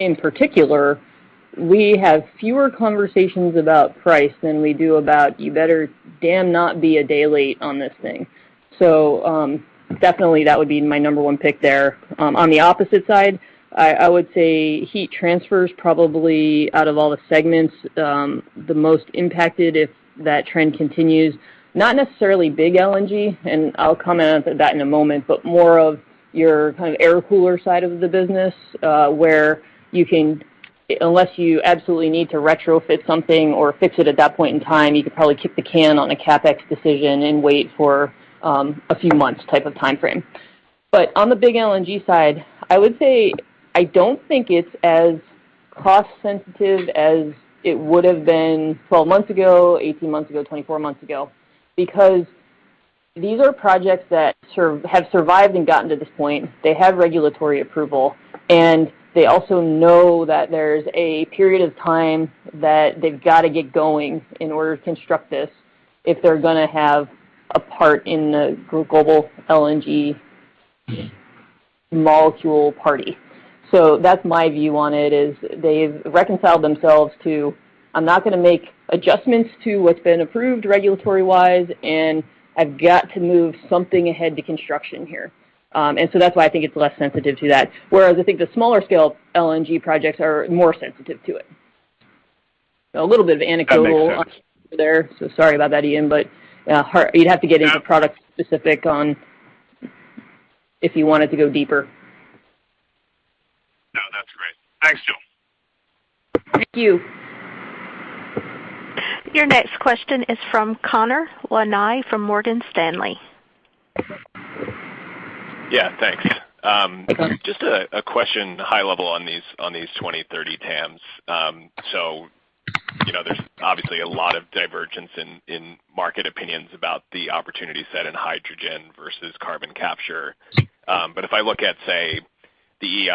S2: in particular, we have fewer conversations about price than we do about you better damn not be a day late on this thing. Definitely that would be my number one pick there. On the opposite side, I would say Heat Transfer is probably out of all the segments, the most impacted if that trend continues. Not necessarily big LNG, I'll comment on that in a moment, but more of your air cooler side of the business, where you can, unless you absolutely need to retrofit something or fix it at that point in time, you could probably kick the can on a CapEx decision and wait for a few months type of timeframe. On the big LNG side, I would say I don't think it's as cost sensitive as it would've been 12 months ago, 18 months ago, 24 months ago, because these are projects that have survived and gotten to this point. They have regulatory approval, and they also know that there's a period of time that they've got to get going in order to construct this if they're going to have a part in the global LNG molecule party. That's my view on it, is they've reconciled themselves to, "I'm not going to make adjustments to what's been approved regulatory-wise, and I've got to move something ahead to construction here." That's why I think it's less sensitive to that. Whereas I think the smaller scale LNG projects are more sensitive to it.
S12: That makes sense.
S2: there, so sorry about that, Ian, but, you'd have to get into product specific on if you wanted to go deeper.
S12: No, that's great. Thanks, Jill.
S2: Thank you.
S1: Your next question is from Connor Lynagh from Morgan Stanley.
S13: Yeah, thanks.
S2: Hey, Connor.
S13: Just a question high level on these 2030 TAMs. There's obviously a lot of divergence in market opinions about the opportunity set in hydrogen versus carbon capture. If I look at, say, the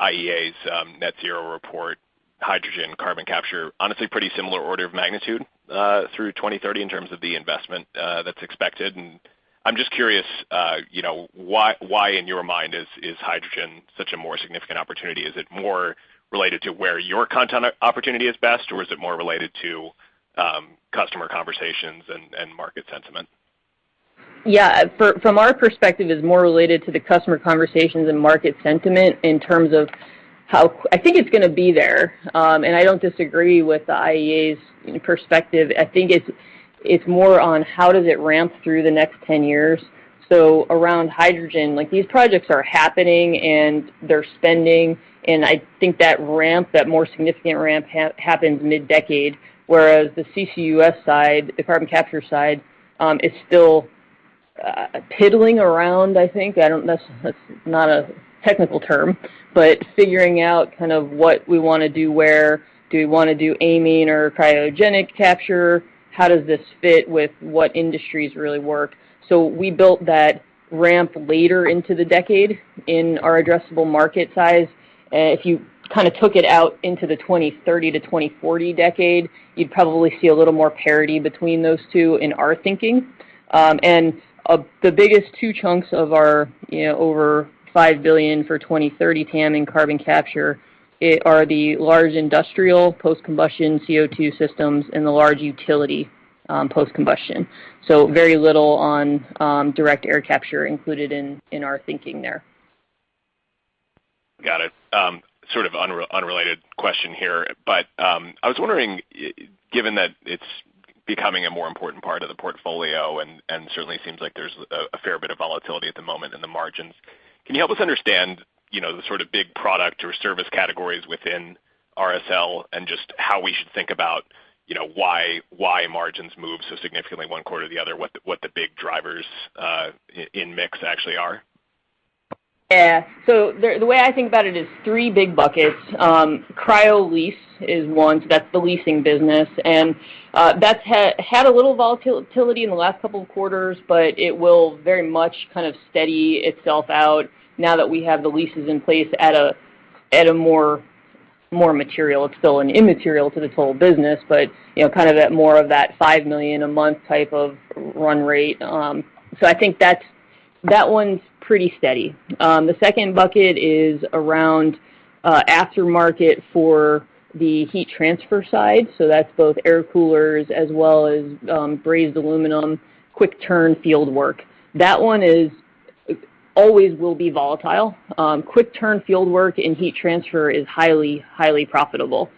S13: IEA's net zero report, hydrogen carbon capture, honestly pretty similar order of magnitude through 2030 in terms of the investment that's expected. I'm just curious, why in your mind is hydrogen such a more significant opportunity? Is it more related to where your content opportunity is best, or is it more related to customer conversations and market sentiment?
S2: Yeah. From our perspective, it's more related to the customer conversations and market sentiment in terms of how I think it's going to be there. I don't disagree with the IEA's perspective. I think it's more on how does it ramp through the next 10 years. Around hydrogen, like these projects are happening, and they're spending, and I think that ramp, that more significant ramp happens mid-decade, whereas the CCUS side, the carbon capture side, is still piddling around, I think. That's not a technical term, but figuring out kind of what we want to do where. Do we want to do amine or cryogenic capture? How does this fit with what industries really work? We built that ramp later into the decade in our addressable market size. If you kind of took it out into the 2030 to 2040 decade, you'd probably see a little more parity between those two in our thinking. The biggest two chunks of our over $5 billion for 2030 TAM in carbon capture are the large industrial post-combustion CO2 systems and the large utility post-combustion. Very little on direct air capture included in our thinking there.
S13: Got it. I was wondering, given that it's becoming a more important part of the portfolio and certainly seems like there's a fair bit of volatility at the moment in the margins, can you help us understand the sort of big product or service categories within RSL and just how we should think about why margins move so significantly one quarter or the other, what the big drivers in mix actually are?
S2: The way I think about it is three big buckets. Cryo lease is one. That's the leasing business, and that's had a little volatility in the last two quarters, but it will very much kind of steady itself out now that we have the leases in place at a more material. It's still an immaterial to the total business, but more of that $5 million a month type of run rate. I think that one's pretty steady. The second bucket is around aftermarket for the heat transfer side, that's both air coolers as well as brazed aluminum quick turn field work. That one always will be volatile. Quick turn field work in heat transfer is highly profitable.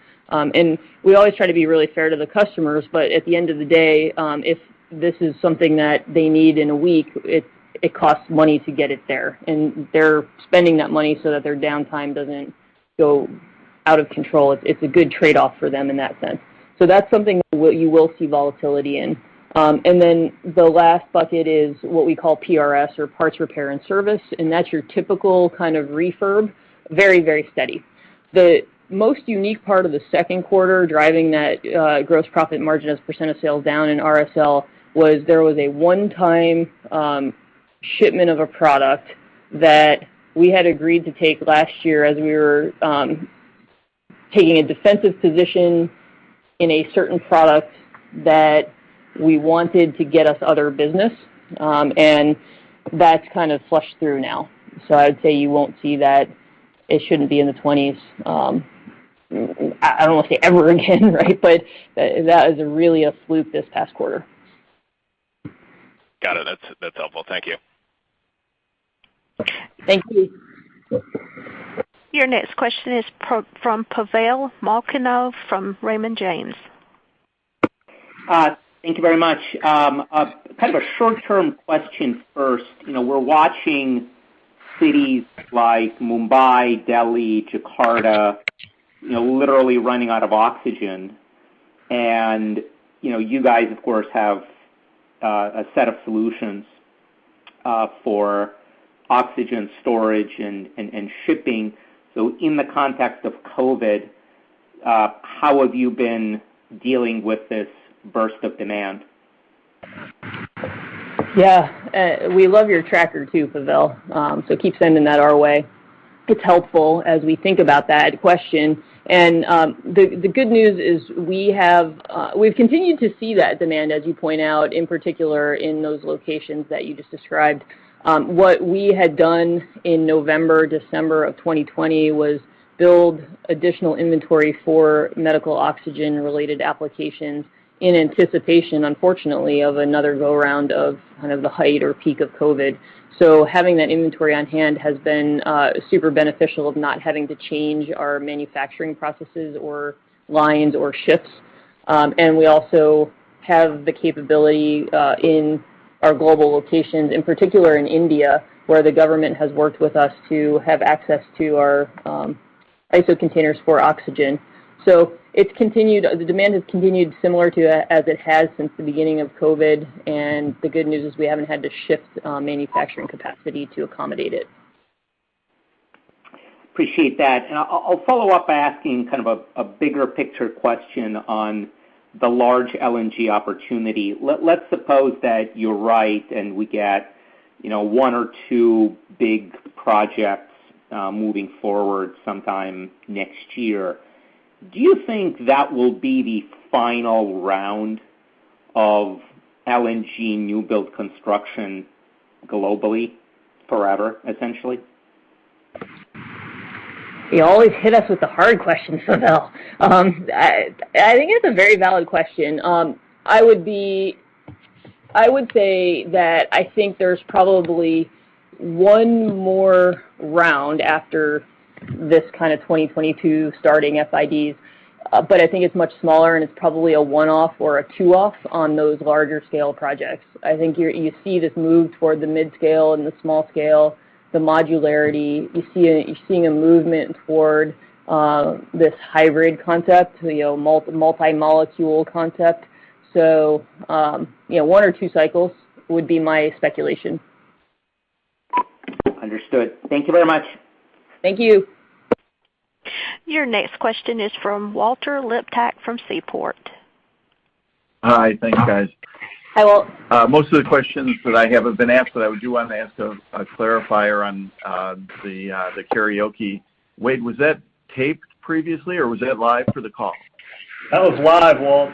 S2: We always try to be really fair to the customers, but at the end of the day, if this is something that they need in a week, it costs money to get it there. They're spending that money so that their downtime doesn't go out of control. It's a good trade-off for them in that sense. That's something that you will see volatility in. The last bucket is what we call PRS or parts repair and service, and that's your typical kind of refurb. Very, very steady. The most unique part of the second quarter driving that gross profit margin as a % of sales down in RSL was there was a one-time shipment of a product that we had agreed to take last year as we were taking a defensive position in a certain product that we wanted to get us other business. That's kind of flushed through now. I'd say you won't see that. It shouldn't be in the 20s, I don't want to say ever again, right? That is really a fluke this past quarter.
S13: Got it. That is helpful. Thank you.
S2: Thank you.
S1: Your next question is from Pavel Molchanov from Raymond James.
S14: Thank you very much. Kind of a short-term question first. We're watching cities like Mumbai, Delhi, Jakarta literally running out of oxygen. You guys of course have a set of solutions for oxygen storage and shipping. In the context of COVID, how have you been dealing with this burst of demand?
S2: Yeah. We love your tracker too, Pavel, keep sending that our way. It's helpful as we think about that question. The good news is we've continued to see that demand, as you point out, in particular in those locations that you just described. What we had done in November, December of 2020 was build additional inventory for medical oxygen related applications in anticipation, unfortunately, of another go-round of the height or peak of COVID. Having that inventory on hand has been super beneficial of not having to change our manufacturing processes or lines or shifts. We also have the capability in our global locations, in particular in India, where the government has worked with us to have access to our ISO containers for oxygen. The demand has continued similar to as it has since the beginning of COVID, and the good news is we haven't had to shift manufacturing capacity to accommodate it.
S14: Appreciate that. I'll follow up by asking a bigger picture question on the large LNG opportunity. Let's suppose that you're right, and we get one or two big projects moving forward sometime next year. Do you think that will be the final round of LNG new build construction globally forever, essentially?
S2: You always hit us with the hard questions, Pavel. I think it's a very valid question. I would say that I think there's probably 1 more round after this kind of 2022 starting FIDs, but I think it's much smaller, and it's probably a 1-off or a 2-off on those larger scale projects. I think you see this move toward the mid-scale and the small scale, the modularity. You're seeing a movement toward this hybrid concept, multi-molecule concept. one or 2 cycles would be my speculation.
S14: Understood. Thank you very much.
S2: Thank you.
S1: Your next question is from Walter Liptak from Seaport.
S15: Hi. Thanks, guys.
S2: Hi, Walt.
S15: Most of the questions that I have have been asked, but I do want to ask a clarifier on the karaoke. Wade, was that taped previously, or was that live for the call?
S4: That was live, Walt.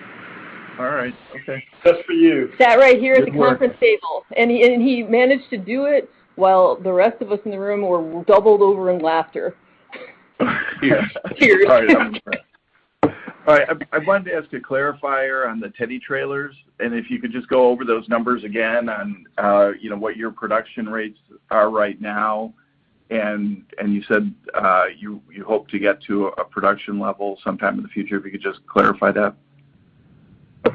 S15: All right. Okay.
S4: Just for you.
S2: Sat right here at the conference table. He managed to do it while the rest of us in the room were doubled over in laughter. Cheers.
S15: All right. I wanted to ask a clarifier on the Teddy trailers, and if you could just go over those numbers again on what your production rates are right now, and you said you hope to get to a production level sometime in the future, if you could just clarify that.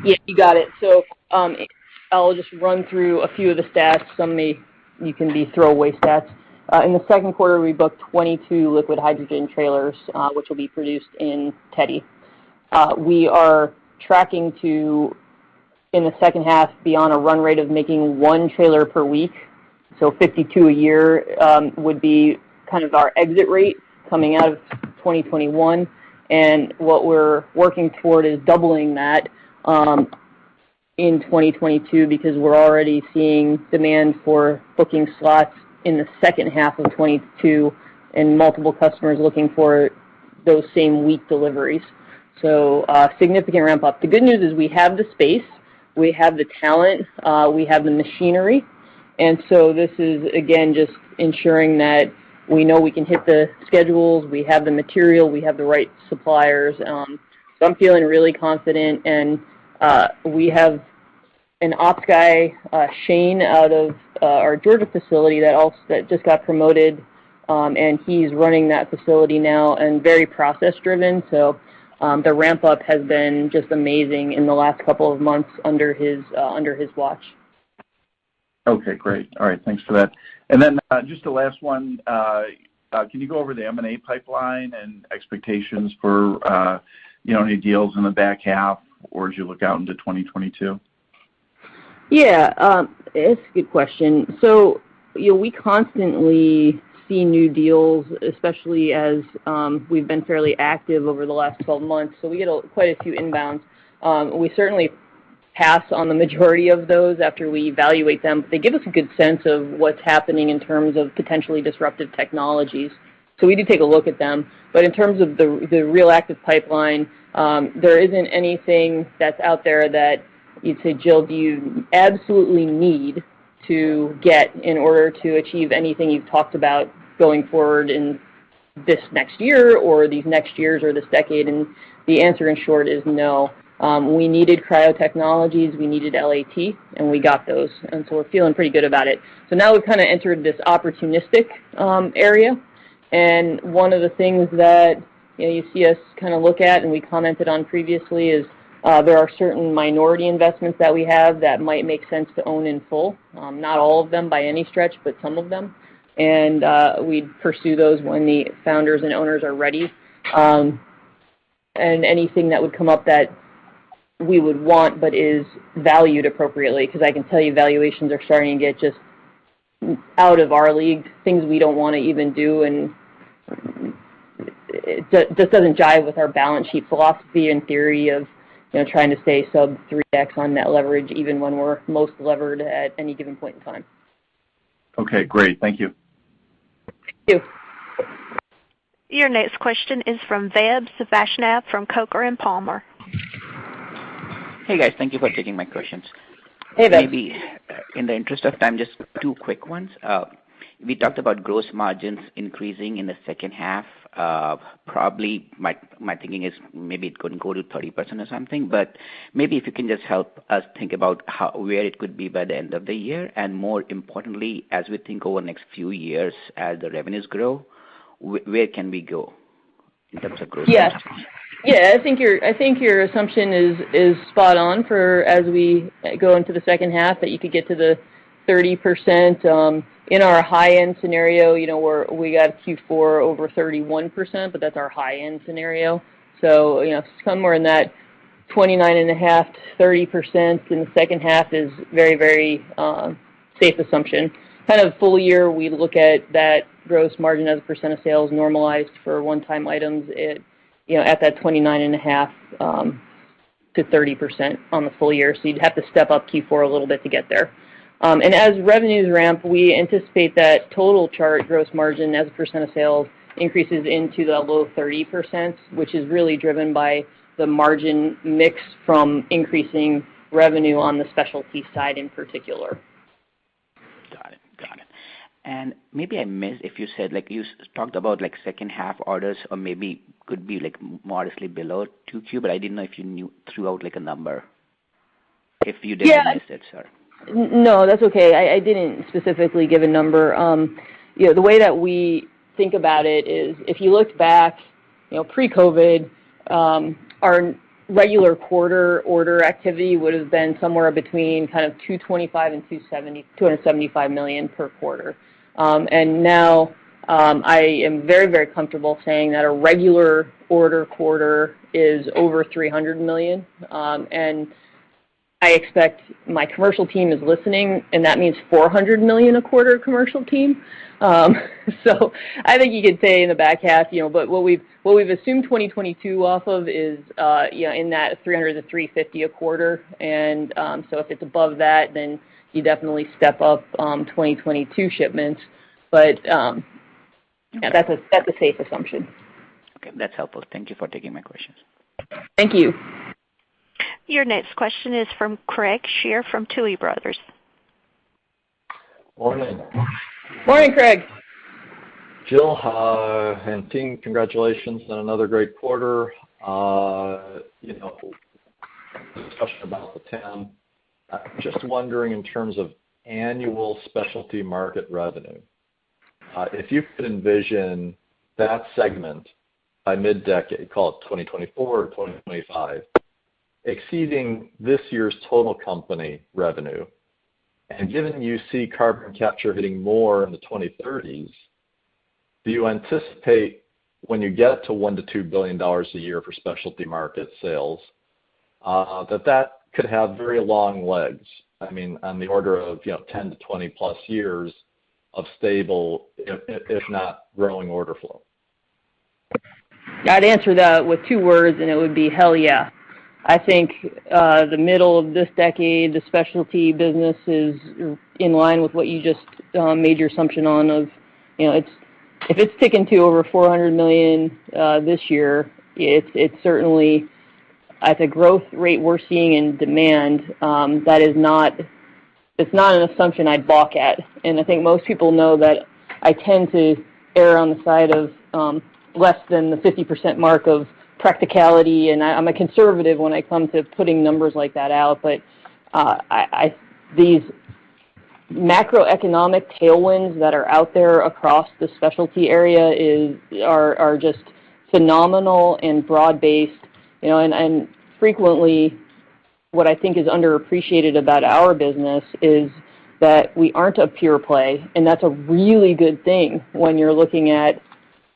S2: Yeah, you got it. I'll just run through a few of the stats. Some may be throwaway stats. In the second quarter, we booked 22 liquid hydrogen trailers, which will be produced in Teddy. We are tracking to, in the second half, be on a run rate of making 1 trailer per week, so 52 a year would be our exit rate coming out of 2021. What we're working toward is doubling that in 2022 because we're already seeing demand for booking slots in the second half of 2022 and multiple customers looking for those same week deliveries. Significant ramp up. The good news is we have the space, we have the talent, we have the machinery, and so this is, again, just ensuring that we know we can hit the schedules, we have the material, we have the right suppliers. I'm feeling really confident, and we have an ops guy, Shane, out of our Georgia facility that just got promoted. He's running that facility now and very process-driven, so the ramp up has been just amazing in the last two months under his watch.
S15: Okay, great. All right. Thanks for that. Then, just the last one. Can you go over the M&A pipeline and expectations for any deals in the back half or as you look out into 2022?
S2: Yeah. That's a good question. We constantly see new deals, especially as we've been fairly active over the last 12 months, so we get quite a few inbounds. We certainly pass on the majority of those after we evaluate them. They give us a good sense of what's happening in terms of potentially disruptive technologies, so we do take a look at them. In terms of the real active pipeline, there isn't anything that's out there that you'd say, "Jill, do you absolutely need to get in order to achieve anything you've talked about going forward in this next year or these next years or this decade?" The answer, in short, is no. We needed Cryo Technologies, we needed LAT, and we got those, and so we're feeling pretty good about it. Now we've kind of entered this opportunistic area. One of the things that you see us look at, and we commented on previously, is there are certain minority investments that we have that might make sense to own in full. Not all of them by any stretch, but some of them. We'd pursue those when the founders and owners are ready. Anything that would come up that we would want but is valued appropriately, because I can tell you valuations are starting to get just out of our league, things we don't want to even do, and it just doesn't jive with our balance sheet philosophy and theory of trying to stay sub 3x on net leverage, even when we're most levered at any given point in time.
S15: Okay, great. Thank you.
S2: Thank you.
S1: Your next question is from Vaibhav Vaishnav from Coker & Palmer.
S16: Hey, guys. Thank you for taking my questions.
S2: Hey, Vaibhav.
S16: Maybe in the interest of time, just two quick ones. We talked about gross margins increasing in the second half. Probably, my thinking is maybe it could go to 30% or something, but maybe if you can just help us think about where it could be by the end of the year. More importantly, as we think over the next few years as the revenues grow, where can we go in terms of gross margin?
S2: Yeah. I think your assumption is spot on for as we go into the second half, that you could get to the 30%. In our high-end scenario, where we got Q4 over 31%, that's our high-end scenario. Somewhere in that 29.5%, 30% in the second half is very safe assumption. Kind of full year, we look at that gross margin as a percent of sales normalized for one-time items at that 29.5%-30% on the full year. You'd have to step up Q4 a little bit to get there. As revenues ramp, we anticipate that total Chart gross margin as a percent of sales increases into the low 30%, which is really driven by the margin mix from increasing revenue on the specialty side in particular.
S16: Got it. Maybe I missed if you said, you talked about second-half orders or maybe could be modestly below 2Q, but I didn't know if you threw out a number?
S2: Yeah.
S16: I missed it, sorry.
S2: No, that's okay. I didn't specifically give a number. The way that we think about it is if you looked back, pre-COVID, our regular quarter order activity would've been somewhere between kind of $225 million and $275 million per quarter. Now, I am very comfortable saying that a regular order quarter is over $300 million. I expect my commercial team is listening, and that means $400 million a quarter commercial team. I think you could say in the back half. What we've assumed 2022 off of is in that $300 million-$350 million a quarter. If it's above that, then you definitely step up 2022 shipments. That's a safe assumption.
S16: Okay. That's helpful. Thank you for taking my questions.
S2: Thank you.
S1: Your next question is from Craig Shere from Tuohy Brothers.
S17: Morning.
S2: Morning, Craig.
S17: Jill, team, congratulations on another great quarter. Discussion about the TAM, just wondering in terms of annual specialty market revenue, if you could envision that segment by mid-decade, call it 2024 or 2025, exceeding this year's total company revenue. Given you see carbon capture hitting more in the 2030s, do you anticipate when you get to $1 billion-$2 billion a year for specialty market sales, that that could have very long legs, I mean, on the order of 10-20+ years of stable, if not growing order flow?
S2: I'd answer that with two words, and it would be hell yeah. I think, the middle of this decade, the specialty business is in line with what you just made your assumption on of, if it's ticking to over $400 million this year, it's certainly at the growth rate we're seeing in demand, it's not an assumption I'd balk at. I think most people know that I tend to err on the side of less than the 50% mark of practicality, and I'm a conservative when it comes to putting numbers like that out. These macroeconomic tailwinds that are out there across the specialty area are just phenomenal and broad-based. Frequently, what I think is underappreciated about our business is that we aren't a pure play, and that's a really good thing when you're looking at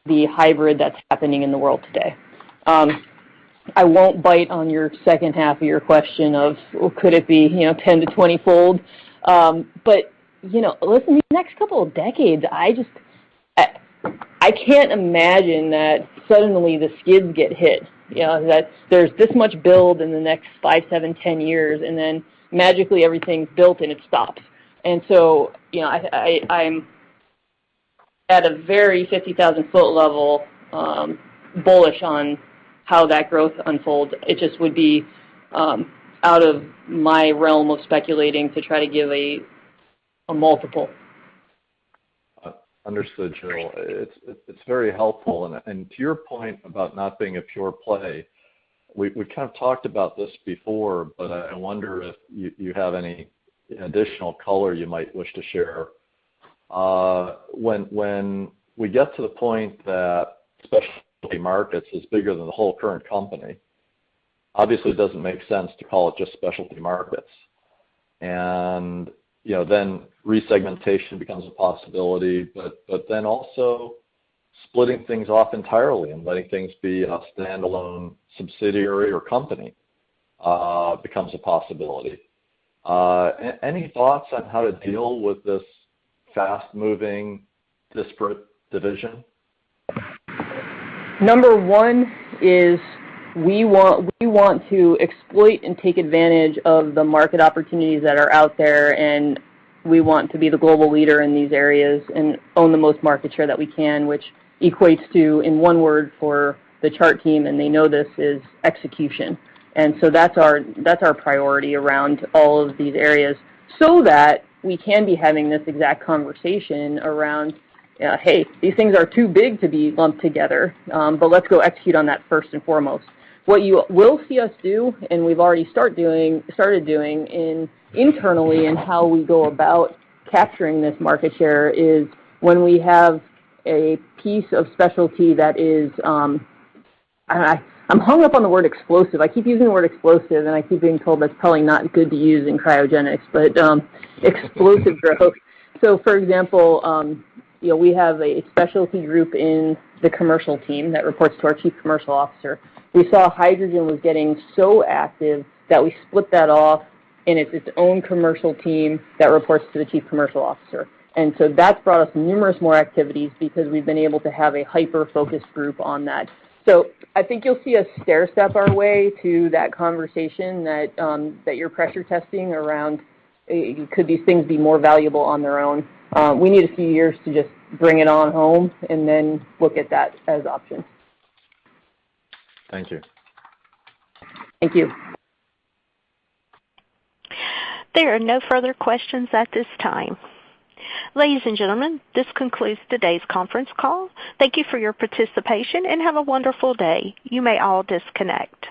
S2: the hybrid that's happening in the world today. I won't bite on your second half of your question of could it be 10-20 fold. Listen, the next couple of decades, I can't imagine that suddenly the skids get hit. There's this much build in the next five, seven, 10 years, and then magically everything's built and it stops. I'm at a very 50,000-foot level, bullish on how that growth unfolds. It just would be out of my realm of speculating to try to give a multiple.
S17: Understood, Jill. It's very helpful. To your point about not being a pure play, we've kind of talked about this before, but I wonder if you have any additional color you might wish to share. When we get to the point that Specialty Markets is bigger than the whole current company, obviously it doesn't make sense to call it just Specialty Markets. Resegmentation becomes a possibility, but then also splitting things off entirely and letting things be a standalone subsidiary or company becomes a possibility. Any thoughts on how to deal with this fast-moving, disparate division?
S2: Number one is we want to exploit and take advantage of the market opportunities that are out there. We want to be the global leader in these areas and own the most market share that we can, which equates to, in one word for the Chart team, and they know this, is execution. That's our priority around all of these areas so that we can be having this exact conversation around, "Hey, these things are too big to be lumped together. Let's go execute on that first and foremost." What you will see us do, and we've already started doing internally in how we go about capturing this market share, is when we have a piece of specialty that is, I'm hung up on the word, explosive. I keep using the word explosive, and I keep being told that's probably not good to use in cryogenics, but explosive growth. For example, we have a specialty group in the commercial team that reports to our Chief Commercial Officer. We saw hydrogen was getting so active that we split that off, and it's its own commercial team that reports to the Chief Commercial Officer. That's brought us numerous more activities because we've been able to have a hyper-focused group on that. I think you'll see us stair-step our way to that conversation that you're pressure testing around could these things be more valuable on their own? We need a few years to just bring it on home and then look at that as options.
S17: Thank you.
S2: Thank you.
S1: There are no further questions at this time. Ladies and gentlemen, this concludes today's conference call. Thank you for your participation, and have a wonderful day. You may all disconnect.